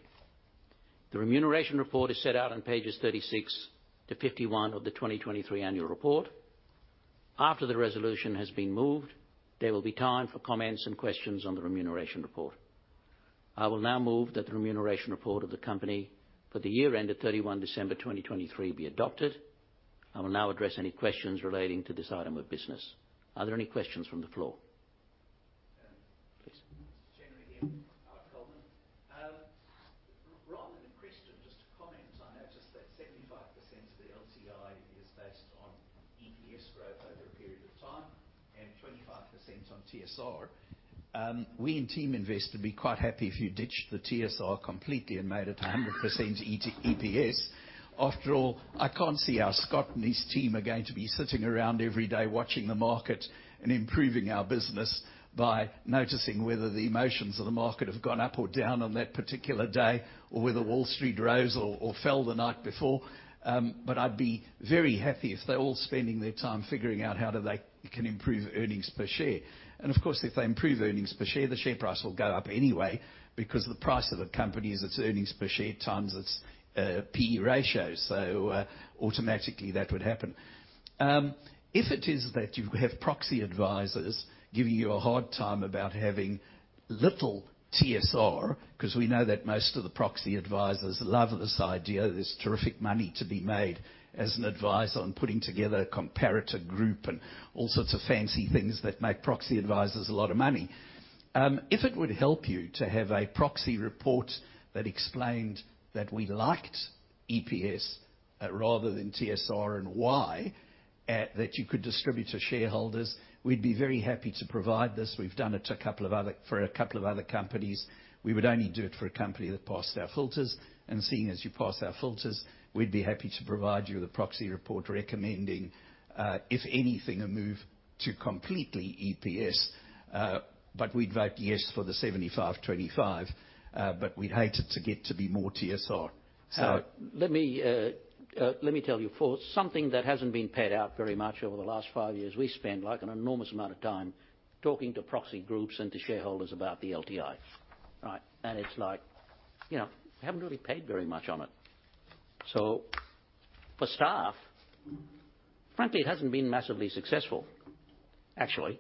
The remuneration report is set out on pages 36-51 of the 2023 annual report. After the resolution has been moved, there will be time for comments and questions on the remuneration report. I will now move that the remuneration report of the company for the year ended 31 December 2023 be adopted. I will now address any questions relating to this item of business. Are there any questions from the floor? Please. It's here, Howard Coleman. Right, and question, just to comment, I noticed that 75% of the LTI is based on EPS growth over a period of time and 25% on TSR. We in Team Invest would be quite happy if you ditched the TSR completely and made it 100% EPS. After all, I can't see how Scott and his team are going to be sitting around every day watching the market and improving our business by noticing whether the emotions of the market have gone up or down on that particular day or whether Wall Street rose or fell the night before. But I'd be very happy if they're all spending their time figuring out how they can improve earnings per share. And of course, if they improve earnings per share, the share price will go up anyway because the price of a company is its earnings per share times its P/E ratio. So automatically that would happen. If it is that you have proxy advisors giving you a hard time about having little TSR because we know that most of the proxy advisors love this idea, this terrific money to be made as an advisor on putting together a comparator group and all sorts of fancy things that make proxy advisors a lot of money, if it would help you to have a proxy report that explained that we liked EPS rather than TSR and why, that you could distribute to shareholders, we'd be very happy to provide this. We've done it for a couple of other companies. We would only do it for a company that passed our filters seeing as you pass our filters, we'd be happy to provide you with a proxy report recommending, if anything, a move to completely EPS. But we'd vote yes for the 75/25, but we'd hate it to get to be more TSR. Let me tell you, for something that hasn't been paid out very much over the last five years, we spend an enormous amount of time talking to proxy groups and to shareholders about the LTI, right? And it's like, "We haven't really paid very much on it." So for staff, frankly, it hasn't been massively successful, actually.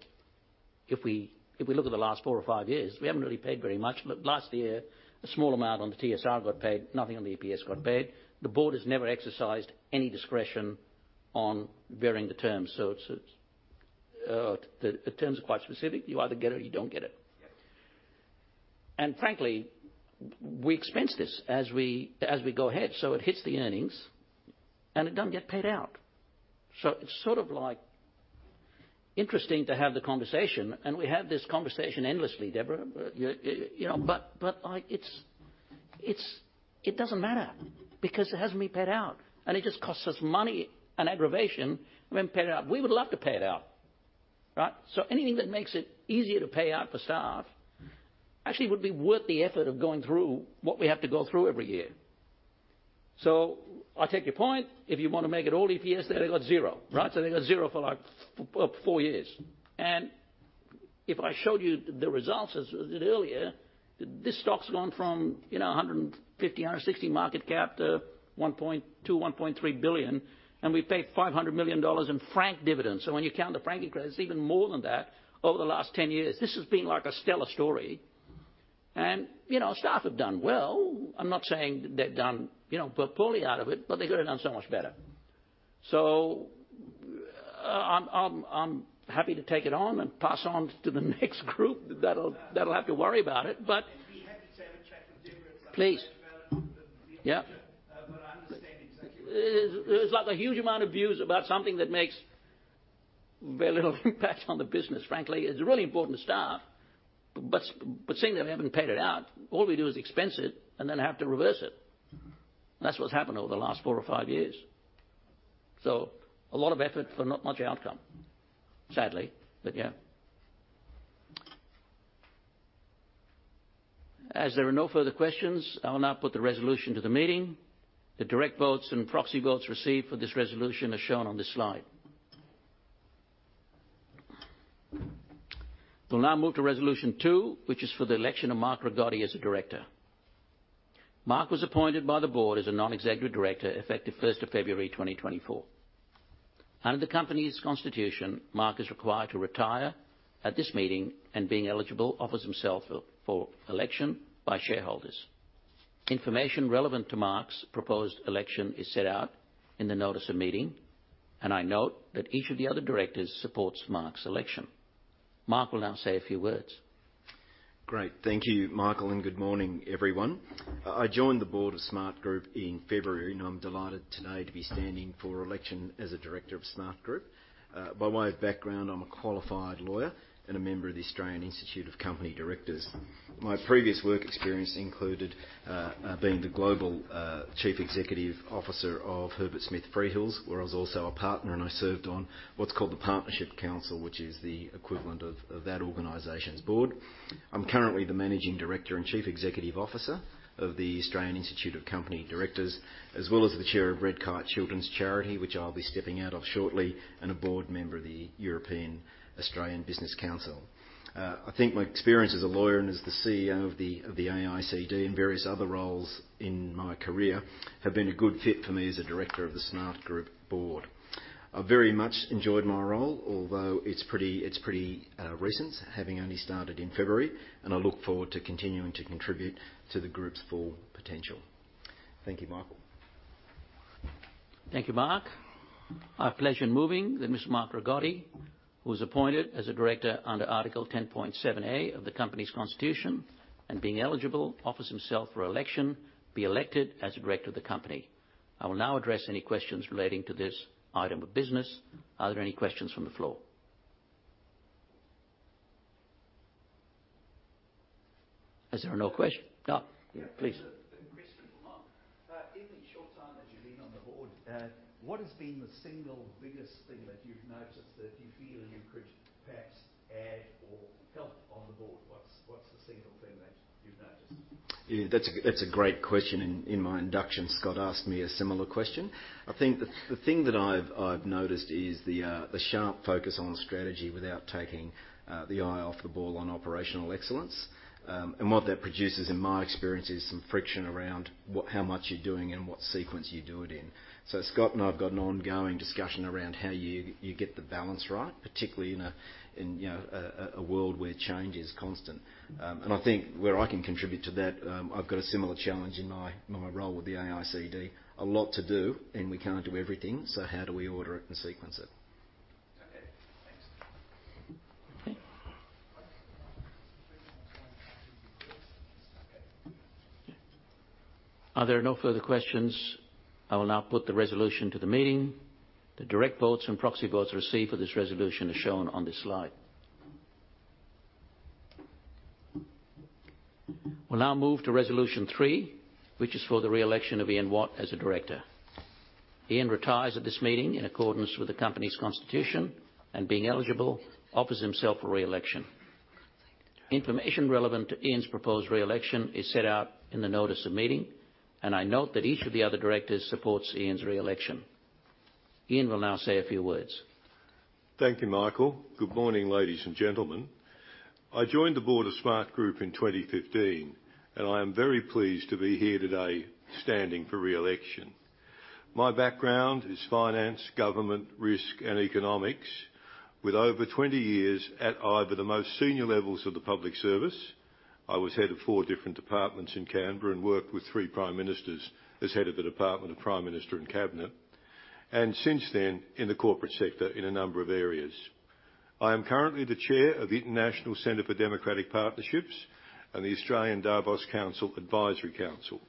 If we look at the last four or five years, we haven't really paid very much. Last year, a small amount on the TSR got paid. Nothing on the EPS got paid. The board has never exercised any discretion on varying the terms. So the terms are quite specific. You either get it or you don't get it. And frankly, we expense this as we go ahead. So it hits the earnings, and it doesn't get paid out. So it's sort of interesting to have the conversation, and we have this conversation endlessly, Deborah. But it doesn't matter because it hasn't been paid out. And it just costs us money and aggravation when paid out. We would love to pay it out, right? So anything that makes it easier to pay out for staff actually would be worth the effort of going through what we have to go through every year. So I take your point. If you want to make it all EPS, they got zero, right? So they got zero for four years. And if I showed you the results as I did earlier, this stock's gone from 150-160 market cap to 1.3 billion, and we paid 500 million dollars in franked dividends. So when you count the franking credit, it's even more than that over the last 10 years. This has been a stellar story. Staff have done well. I'm not saying they've done poorly out of it, but they could have done so much better. So I'm happy to take it on and pass on to the next group that'll have to worry about it, but please. Yeah. There's a huge amount of views about something that makes very little impact on the business. Frankly, it's really important to staff, but seeing they haven't paid it out, all we do is expense it and then have to reverse it. That's what's happened over the last four or five years. A lot of effort for not much outcome, sadly. But yeah. As there are no further questions, I will now put the resolution to the meeting. The direct votes and proxy votes received for this resolution are shown on this slide. We'll now move to resolution two, which is for the election of Mark Rigotti as a director. Mark was appointed by the board as a non-executive director effective 1st of February 2024. Under the company's constitution, Mark is required to retire at this meeting, and being eligible offers himself for election by shareholders. Information relevant to Mark's proposed election is set out in the notice of meeting, and I note that each of the other directors supports Mark's election. Mark will now say a few words. Great. Thank you, Michael, and good morning, everyone. I joined the board of Smartgroup in February, and I'm delighted today to be standing for election as a director of Smartgroup. By way of background, I'm a qualified lawyer and a member of the Australian Institute of Company Directors. My previous work experience included being the Global Chief Executive Officer of Herbert Smith Freehills, where I was also a partner, and I served on what's called the Partnership Council, which is the equivalent of that organization's board. I'm currently the Managing Director and Chief Executive Officer of the Australian Institute of Company Directors, as well as the Chair of Redkite Children's Charity, which I'll be stepping out of shortly, and a board member of the European Australian Business Council. I think my experience as a lawyer and as the CEO of the AICD and various other roles in my career have been a good fit for me as a director of the Smartgroup board. I've very much enjoyed my role, although it's pretty recent, having only started in February, and I look forward to continuing to contribute to the group's full potential. Thank you, Michael. Thank you, Mark. I have pleasure in moving that Mr. Mark Rigotti, who was appointed as a director under Article 10.7A of the company's constitution and being eligible, offers himself for election, be elected as a director of the company. I will now address any questions relating to this item of business. Are there any questions from the floor? As there are no questions, no. Please. What has been the single biggest thing that you've noticed that you feel you could perhaps add or help on the board? What's the single thing that you've noticed? Yeah. That's a great question. In my induction, Scott asked me a similar question. I think the thing that I've noticed is the sharp focus on strategy without taking the eye off the ball on operational excellence. What that produces, in my experience, is some friction around how much you're doing and what sequence you do it in. Scott and I have got an ongoing discussion around how you get the balance right, particularly in a world where change is constant. I think where I can contribute to that, I've got a similar challenge in my role with the AICD. A lot to do, and we can't do everything. How do we order it and sequence it? Are there no further questions? I will now put the resolution to the meeting. The direct votes and proxy votes received for this resolution are shown on this slide. We'll now move to resolution three, which is for the re-election of Ian Watt as a director. Ian retires at this meeting in accordance with the company's constitution and, being eligible, offers himself for re-election. Information relevant to Ian's proposed re-election is set out in the notice of meeting, and I note that each of the other directors supports Ian's re-election. Ian will now say a few words. Thank you, Michael. Good morning, ladies and gentlemen. I joined the board of Smartgroup in 2015, and I am very pleased to be here today standing for re-election. My background is finance, government, risk, and economics, with over 20 years at either the most senior levels of the public service. I was head of four different departments in Canberra and worked with three prime ministers as head of the Department of Prime Minister and Cabinet, and since then in the corporate sector in a number of areas. I am currently the chair of the International Centre for Democratic Partnerships and the Australian Davos Council Advisory Council.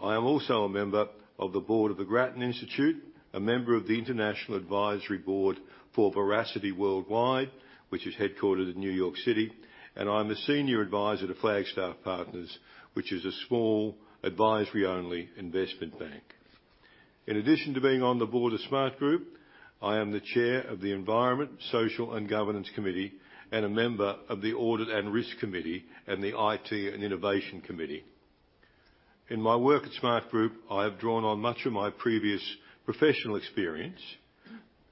I am also a member of the board of the Grattan Institute, a member of the International Advisory Board for Veracity Worldwide, which is headquartered in New York City, and I'm a senior advisor to Flagstaff Partners, which is a small advisory-only investment bank. In addition to being on the board of Smartgroup, I am the chair of the Environmental, Social, and Governance Committee and a member of the Audit and Risk Committee and the IT and Innovation Committee. In my work at Smartgroup, I have drawn on much of my previous professional experience,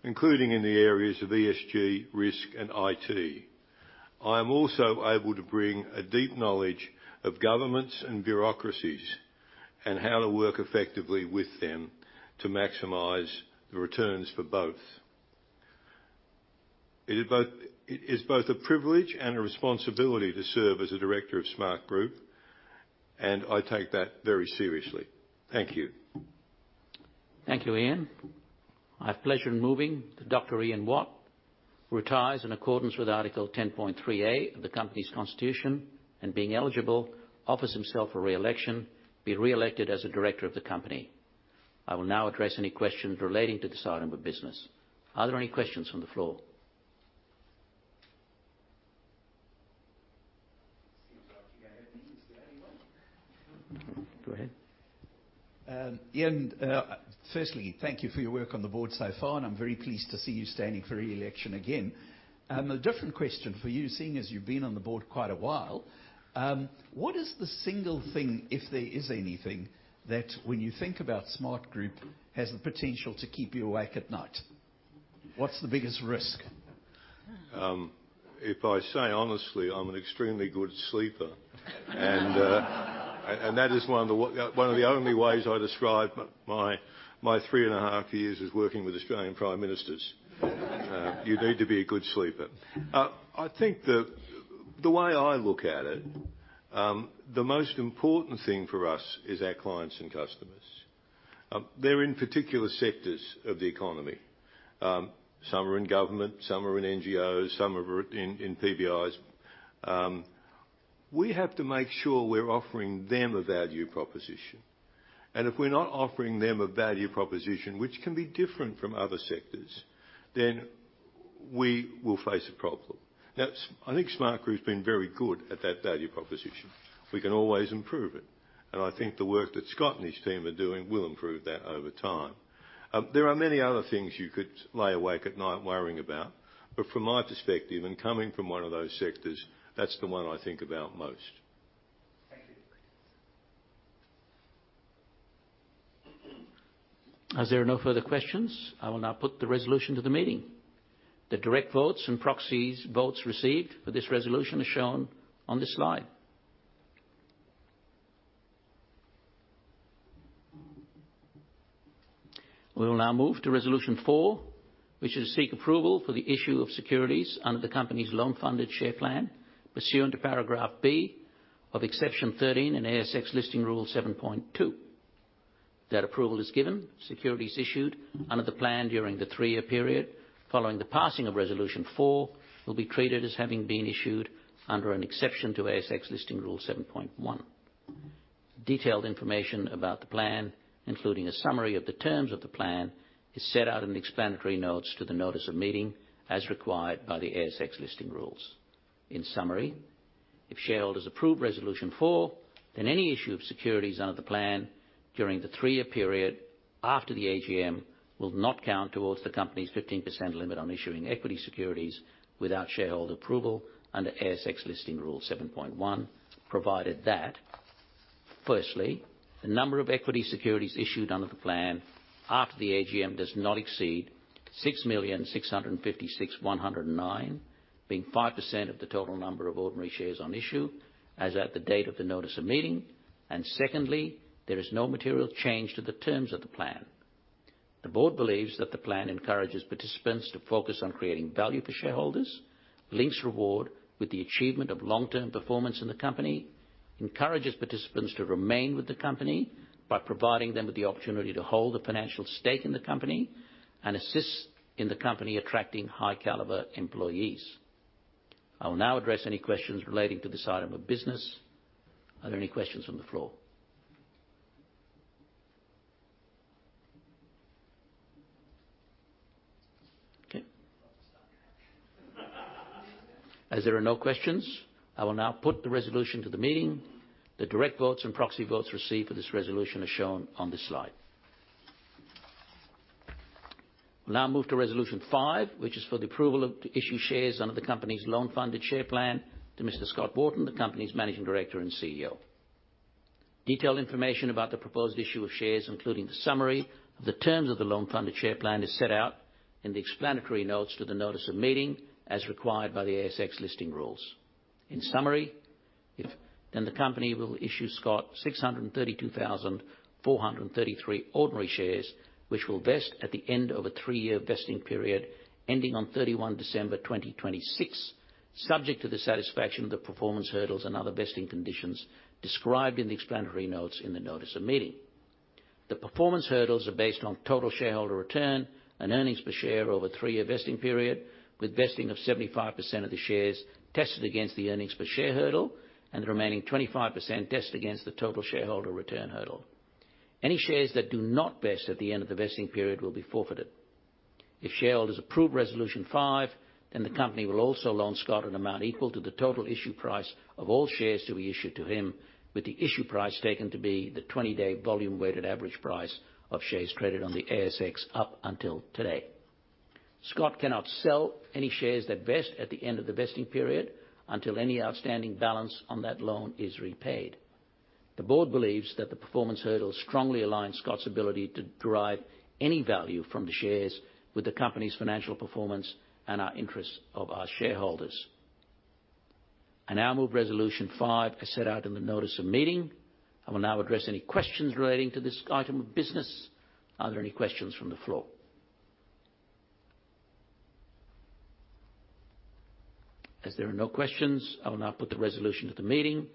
including in the areas of ESG, risk, and IT. I am also able to bring a deep knowledge of governments and bureaucracies and how to work effectively with them to maximize the returns for both. It is both a privilege and a responsibility to serve as a director of Smartgroup, and I take that very seriously. Thank you. Thank you, Ian. I have pleasure in moving that Dr. Ian Watt retires in accordance with Article 10.3A of the company's constitution and, being eligible, offers himself for re-election, be re-elected as a director of the company. I will now address any questions relating to this item of business. Are there any questions from the floor? anyone? Go ahead. Ian, firstly, thank you for your work on the board so far, and I'm very pleased to see you standing for re-election again. A different question for you, seeing as you've been on the board quite a while. What is the single thing, if there is anything, that when you think about Smartgroup has the potential to keep you awake at night? What's the biggest risk? If I say honestly, I'm an extremely good sleeper, and that is one of the only ways I describe my 3.5 years as working with Australian prime ministers. You need to be a good sleeper. I think the way I look at it, the most important thing for us is our clients and customers. They're in particular sectors of the economy. Some are in government. Some are in NGOs. Some are in PBIs. We have to make sure we're offering them a value proposition. And if we're not offering them a value proposition, which can be different from other sectors, then we will face a problem. Now, I think Smartgroup's been very good at that value proposition. We can always improve it. And I think the work that Scott and his team are doing will improve that over time. There are many other things you could lay awake at night worrying about, but from my perspective and coming from one of those sectors, that's the one I think about most. Thank you. As there are no further questions, I will now put the resolution to the meeting. The direct votes and proxy votes received for this resolution are shown on this slide. We will now move to resolution four, which is to seek approval for the issue of securities under the company's loan-funded share plan pursuant to paragraph B of exception 13 in ASX Listing Rule 7.2. That approval is given. Securities issued under the plan during the three-year period following the passing of resolution four will be treated as having been issued under an exception to ASX Listing Rule 7.1. Detailed information about the plan, including a summary of the terms of the plan, is set out in the explanatory notes to the notice of meeting as required by the ASX Listing Rules. In summary, if shareholders approve resolution four, then any issue of securities under the plan during the three-year period after the AGM will not count towards the company's 15% limit on issuing equity securities without shareholder approval under ASX Listing Rule 7.1, provided that, firstly, the number of equity securities issued under the plan after the AGM does not exceed 6,656,109, being 5% of the total number of ordinary shares on issue as at the date of the notice of meeting, and secondly, there is no material change to the terms of the plan. The board believes that the plan encourages participants to focus on creating value for shareholders, links reward with the achievement of long-term performance in the company, encourages participants to remain with the company by providing them with the opportunity to hold a financial stake in the company, and assists in the company attracting high-calibre employees. I will now address any questions relating to this item of business. Are there any questions from the floor? Okay. As there are no questions, I will now put the resolution to the meeting. The direct votes and proxy votes received for this resolution are shown on this slide. We'll now move to resolution five, which is for the approval to issue shares under the company's loan-funded share plan to Mr. Scott Wharton, the company's Managing Director and CEO. Detailed information about the proposed issue of shares, including the summary of the terms of the loan-funded share plan, is set out in the explanatory notes to the notice of meeting as required by the ASX Listing Rules. In summary, if. Then the company will issue Scott 632,433 ordinary shares, which will vest at the end of a three-year vesting period ending on 31 December 2026, subject to the satisfaction of the performance hurdles and other vesting conditions described in the explanatory notes in the notice of meeting. The performance hurdles are based on total shareholder return and earnings per share over a three-year vesting period, with vesting of 75% of the shares tested against the earnings per share hurdle and the remaining 25% tested against the total shareholder return hurdle. Any shares that do not vest at the end of the vesting period will be forfeited. If shareholders approve resolution 5, then the company will also loan Scott an amount equal to the total issue price of all shares to be issued to him, with the issue price taken to be the 20-day volume-weighted average price of shares traded on the ASX up until today. Scott cannot sell any shares that vest at the end of the vesting period until any outstanding balance on that loan is repaid. The board believes that the performance hurdles strongly align Scott's ability to derive any value from the shares with the company's financial performance and our interests of our shareholders. I now move resolution 5 as set out in the notice of meeting. I will now address any questions relating to this item of business. Are there any questions from the floor? As there are no questions, I will now put the resolution to the meeting.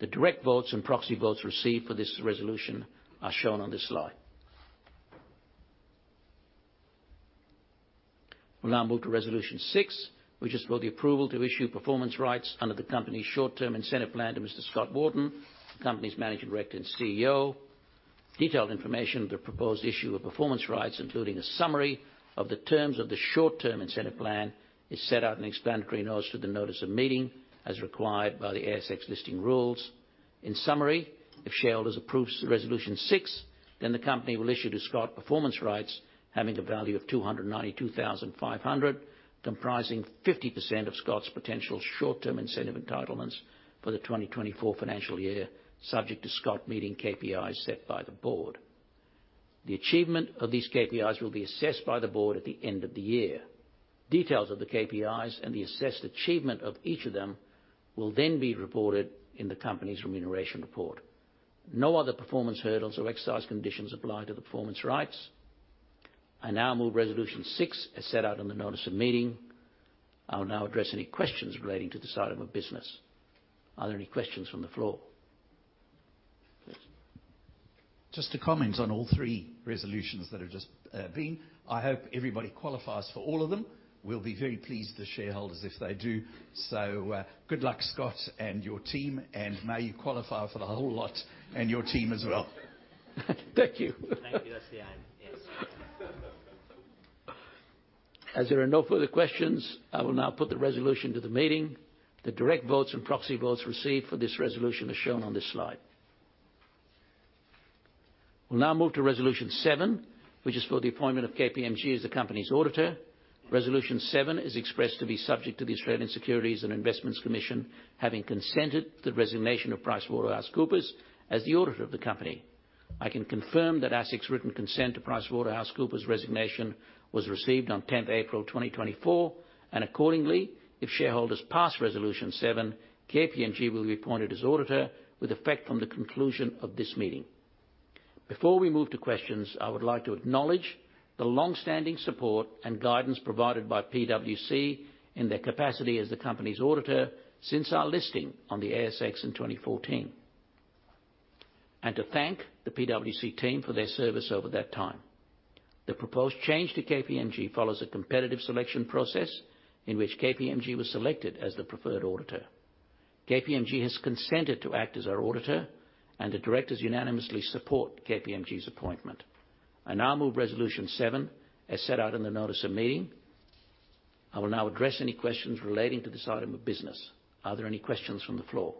The direct votes and proxy votes received for this resolution are shown on this slide. We'll now move to resolution 6, which is for the approval to issue performance rights under the company's short-term incentive plan to Mr. Scott Wharton, the company's Managing Director and CEO. Detailed information of the proposed issue of performance rights, including a summary of the terms of the short-term incentive plan, is set out in explanatory notes to the notice of meeting as required by the ASX Listing Rules. In summary, if shareholders approve resolution 6, then the company will issue to Scott performance rights having a value of 292,500, comprising 50% of Scott's potential short-term incentive entitlements for the 2024 financial year, subject to Scott meeting KPIs set by the board. The achievement of these KPIs will be assessed by the board at the end of the year. Details of the KPIs and the assessed achievement of each of them will then be reported in the company's remuneration report. No other performance hurdles or exercise conditions apply to the performance rights. I now move resolution 6 as set out in the notice of meeting. I will now address any questions relating to this item of business. Are there any questions from the floor? Just a comment on all three resolutions that have just been. I hope everybody qualifies for all of them. We'll be very pleased with the shareholders if they do. So good luck, Scott, and your team, and may you qualify for the whole lot and your team as well. Thank you. Thank you. That's the end. Yes. As there are no further questions, I will now put the resolution to the meeting. The direct votes and proxy votes received for this resolution are shown on this slide. We'll now move to resolution seven, which is for the appointment of KPMG as the company's auditor. Resolution seven is expressed to be subject to the Australian Securities and Investments Commission having consented to the resignation of PricewaterhouseCoopers as the auditor of the company. I can confirm that ASIC's written consent to PricewaterhouseCoopers' resignation was received on 10th April 2024, and accordingly, if shareholders pass resolution seven, KPMG will be appointed as auditor with effect from the conclusion of this meeting. Before we move to questions, I would like to acknowledge the longstanding support and guidance provided by PwC in their capacity as the company's auditor since our listing on the ASX in 2014, and to thank the PwC team for their service over that time. The proposed change to KPMG follows a competitive selection process in which KPMG was selected as the preferred auditor. KPMG has consented to act as our auditor, and the directors unanimously support KPMG's appointment. I now move resolution seven as set out in the notice of meeting. I will now address any questions relating to this item of business. Are there any questions from the floor?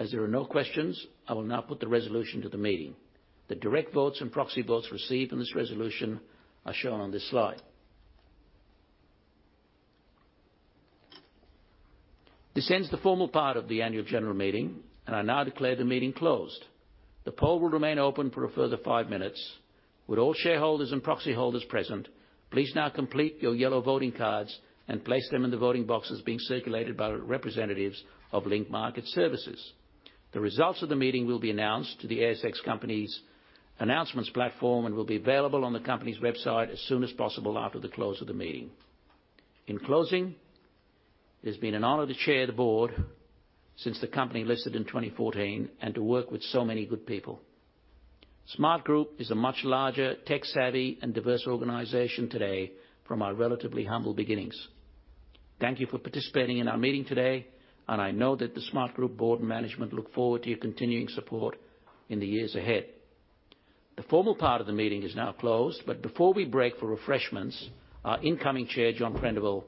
As there are no questions, I will now put the resolution to the meeting. The direct votes and proxy votes received in this resolution are shown on this slide. This ends the formal part of the annual general meeting, and I now declare the meeting closed. The poll will remain open for a further five minutes. Would all shareholders and proxy holders present, please now complete your yellow voting cards and place them in the voting boxes being circulated by representatives of Link Market Services. The results of the meeting will be announced to the ASX company's announcements platform and will be available on the company's website as soon as possible after the close of the meeting. In closing, it has been an honor to chair the board since the company listed in 2014 and to work with so many good people. Smartgroup is a much larger, tech-savvy, and diverse organization today from our relatively humble beginnings. Thank you for participating in our meeting today, and I know that the Smartgroup board and management look forward to your continuing support in the years ahead. The formal part of the meeting is now closed, but before we break for refreshments, our incoming chair, John Prendiville,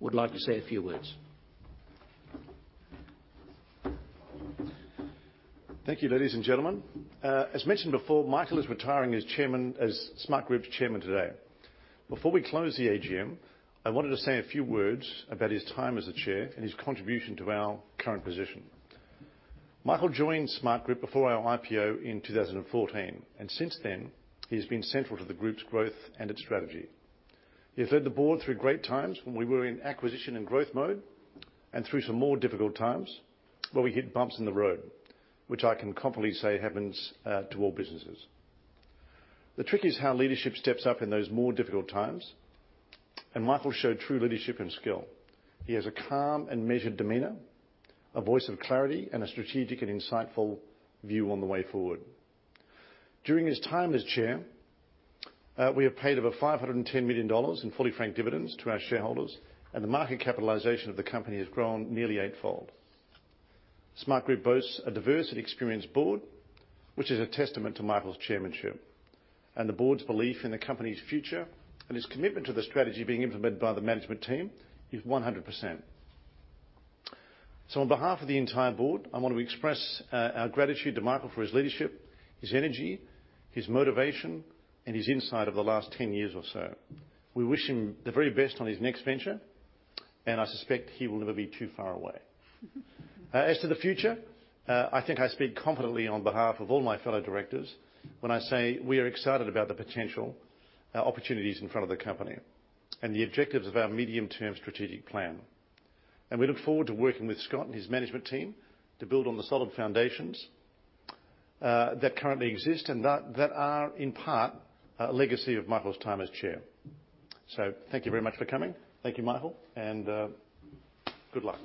would like to say a few words. Thank you, ladies and gentlemen. As mentioned before, Michael is retiring as chairman as Smartgroup's chairman today. Before we close the AGM, I wanted to say a few words about his time as a chair and his contribution to our current position. Michael joined Smartgroup before our IPO in 2014, and since then, he has been central to the group's growth and its strategy. He has led the board through great times when we were in acquisition and growth mode and through some more difficult times where we hit bumps in the road, which I can confidently say happens to all businesses. The trick is how leadership steps up in those more difficult times, and Michael showed true leadership and skill. He has a calm and measured demeanor, a voice of clarity, and a strategic and insightful view on the way forward. During his time as chair, we have paid over 510 million dollars in fully franked dividends to our shareholders, and the market capitalization of the company has grown nearly eightfold. Smartgroup boasts a diverse and experienced board, which is a testament to Michael's chairmanship, and the board's belief in the company's future and his commitment to the strategy being implemented by the management team is 100%. So, on behalf of the entire board, I want to express our gratitude to Michael for his leadership, his energy, his motivation, and his insight over the last 10 years or so. We wish him the very best on his next venture, and I suspect he will never be too far away. As to the future, I think I speak confidently on behalf of all my fellow directors when I say we are excited about the potential opportunities in front of the company and the objectives of our medium-term strategic plan. We look forward to working with Scott and his management team to build on the solid foundations that currently exist and that are, in part, a legacy of Michael's time as chair. Thank you very much for coming. Thank you, Michael, and good luck.